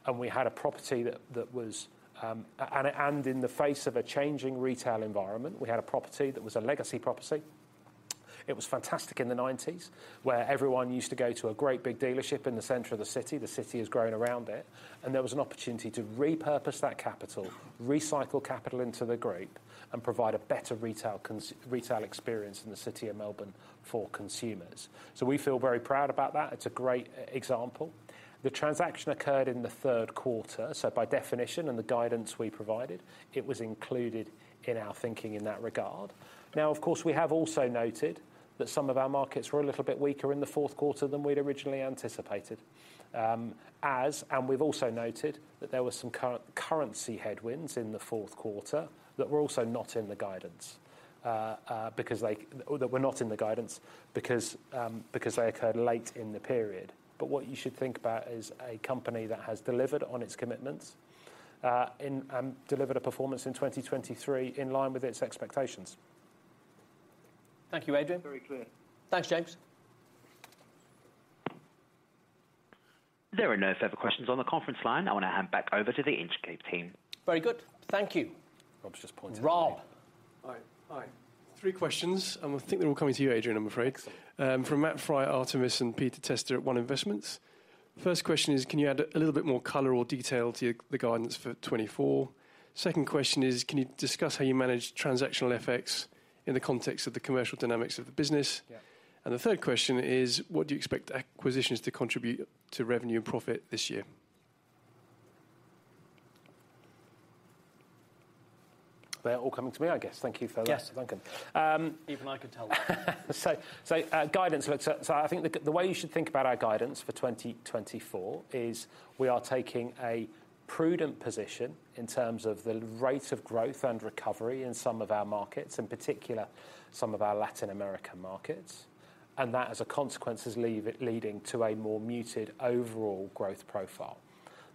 And we had a property that was in the face of a changing retail environment, we had a property that was a legacy property. It was fantastic in the 1990s, where everyone used to go to a great big dealership in the center of the city. The city has grown around it, and there was an opportunity to repurpose that capital, recycle capital into the group, and provide a better retail experience in the city of Melbourne for consumers. So we feel very proud about that. It's a great example. The transaction occurred in the third quarter, so by definition and the guidance we provided, it was included in our thinking in that regard. Now, of course, we have also noted that some of our markets were a little bit weaker in the fourth quarter than we'd originally anticipated. And we've also noted that there were some currency headwinds in the fourth quarter that were also not in the guidance, because they occurred late in the period. But what you should think about is a company that has delivered on its commitments, and delivered a performance in 2023 in line with its expectations. Thank you, Adrian. Very clear. Thanks, James. There are no further questions on the conference line. I want to hand back over to the Inchcape team. Very good. Thank you. Rob's just pointed at me. Rob. Hi, hi. Three questions, and I think they're all coming to you, Adrian, I'm afraid. Excellent. From Matt Frye, Artemis, and Peter Testa at One Investments. First question is, can you add a little bit more color or detail to the guidance for 2024? Second question is, can you discuss how you manage transactional effects in the context of the commercial dynamics of the business? Yeah. The third question is, what do you expect acquisitions to contribute to revenue and profit this year? They're all coming to me, I guess. Thank you for- Yes... thanking. Even I could tell that. So, guidance. Look, so I think the way you should think about our guidance for 2024 is we are taking a prudent position in terms of the rate of growth and recovery in some of our markets, in particular, some of our Latin American markets, and that, as a consequence, is leading to a more muted overall growth profile.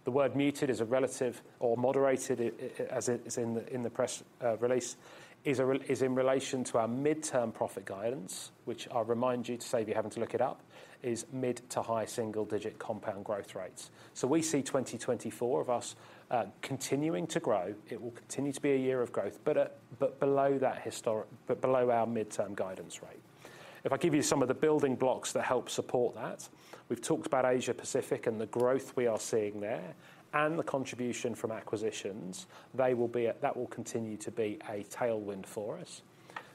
The word muted is a relative or moderated, as it is in the press release, is in relation to our midterm profit guidance, which I'll remind you to say, if you're having to look it up, is mid- to high single-digit compound growth rates. So we see 2024 for us continuing to grow. It will continue to be a year of growth, but below that historical, but below our midterm guidance rate. If I give you some of the building blocks that help support that, we've talked about Asia Pacific and the growth we are seeing there, and the contribution from acquisitions. That will continue to be a tailwind for us.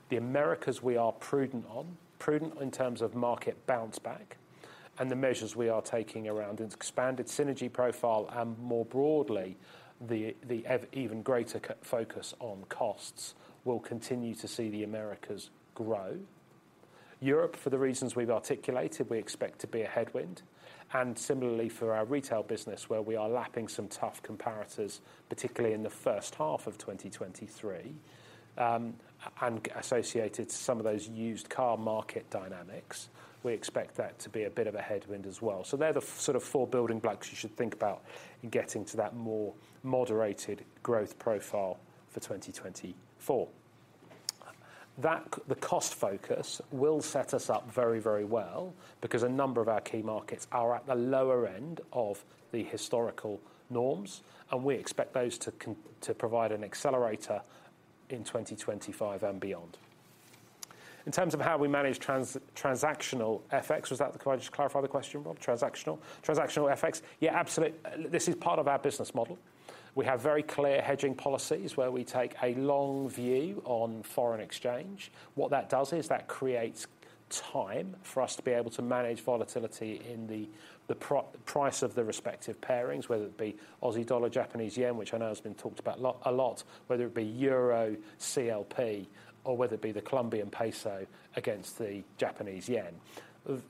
The Americas, we are prudent on, prudent in terms of market bounce back and the measures we are taking around an expanded synergy profile, and more broadly, the even greater focus on costs will continue to see the Americas grow. Europe, for the reasons we've articulated, we expect to be a headwind, and similarly for our retail business, where we are lapping some tough comparators, particularly in the first half of 2023, and associated to some of those used car market dynamics, we expect that to be a bit of a headwind as well. So they're the sort of four building blocks you should think about in getting to that more moderated growth profile for 2024. That the cost focus will set us up very, very well because a number of our key markets are at the lower end of the historical norms, and we expect those to provide an accelerator in 2025 and beyond. In terms of how we manage transactional effects, was that the... Can I just clarify the question, Rob? Transactional. Transactional effects, yeah, absolutely. This is part of our business model. We have very clear hedging policies where we take a long view on foreign exchange. What that does is that creates time for us to be able to manage volatility in the price of the respective pairings, whether it be Aussie dollar, Japanese yen, which I know has been talked about a lot, a lot, whether it be euro, CLP, or whether it be the Colombian peso against the Japanese yen.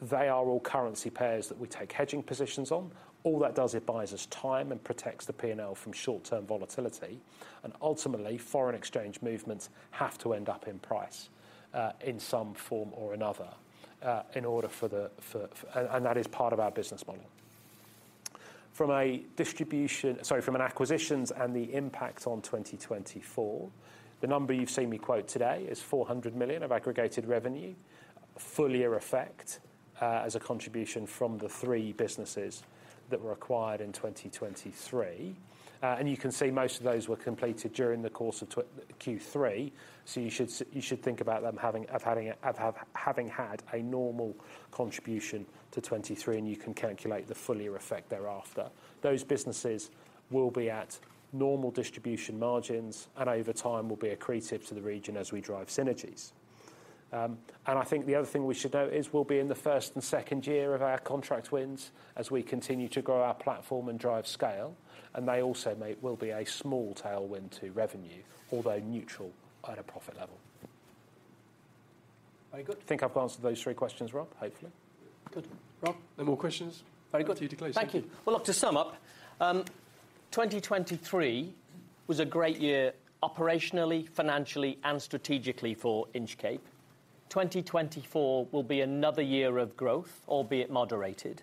They are all currency pairs that we take hedging positions on. All that does, it buys us time and protects the P&L from short-term volatility, and ultimately, foreign exchange movements have to end up in price in some form or another, in order for the—and that is part of our business model. From acquisitions and the impact on 2024, the number you've seen me quote today is 400 million of aggregated revenue, full year effect, as a contribution from the three businesses that were acquired in 2023. And you can see most of those were completed during the course of Q3. So you should think about them having had a normal contribution to 2023, and you can calculate the full year effect thereafter. Those businesses will be at normal distribution margins and over time will be accretive to the region as we drive synergies. I think the other thing we should note is we'll be in the first and second year of our contract wins as we continue to grow our platform and drive scale, and they also will be a small tailwind to revenue, although neutral at a profit level. Very good. I think I've answered those three questions, Rob, hopefully. Good. Rob? No more questions. Very good. Up to you to close it. Thank you. Well, look, to sum up, 2023 was a great year operationally, financially, and strategically for Inchcape. 2024 will be another year of growth, albeit moderated,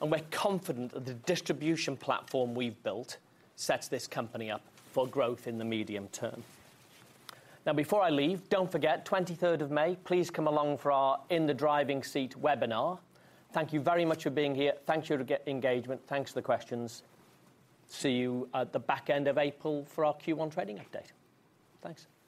and we're confident that the distribution platform we've built sets this company up for growth in the medium term. Now, before I leave, don't forget, 23rd of May, please come along for our In the Driving Seat webinar. Thank you very much for being here. Thank you for your engagement. Thanks for the questions. See you at the back end of April for our Q1 trading update. Thanks. Thanks, everyone.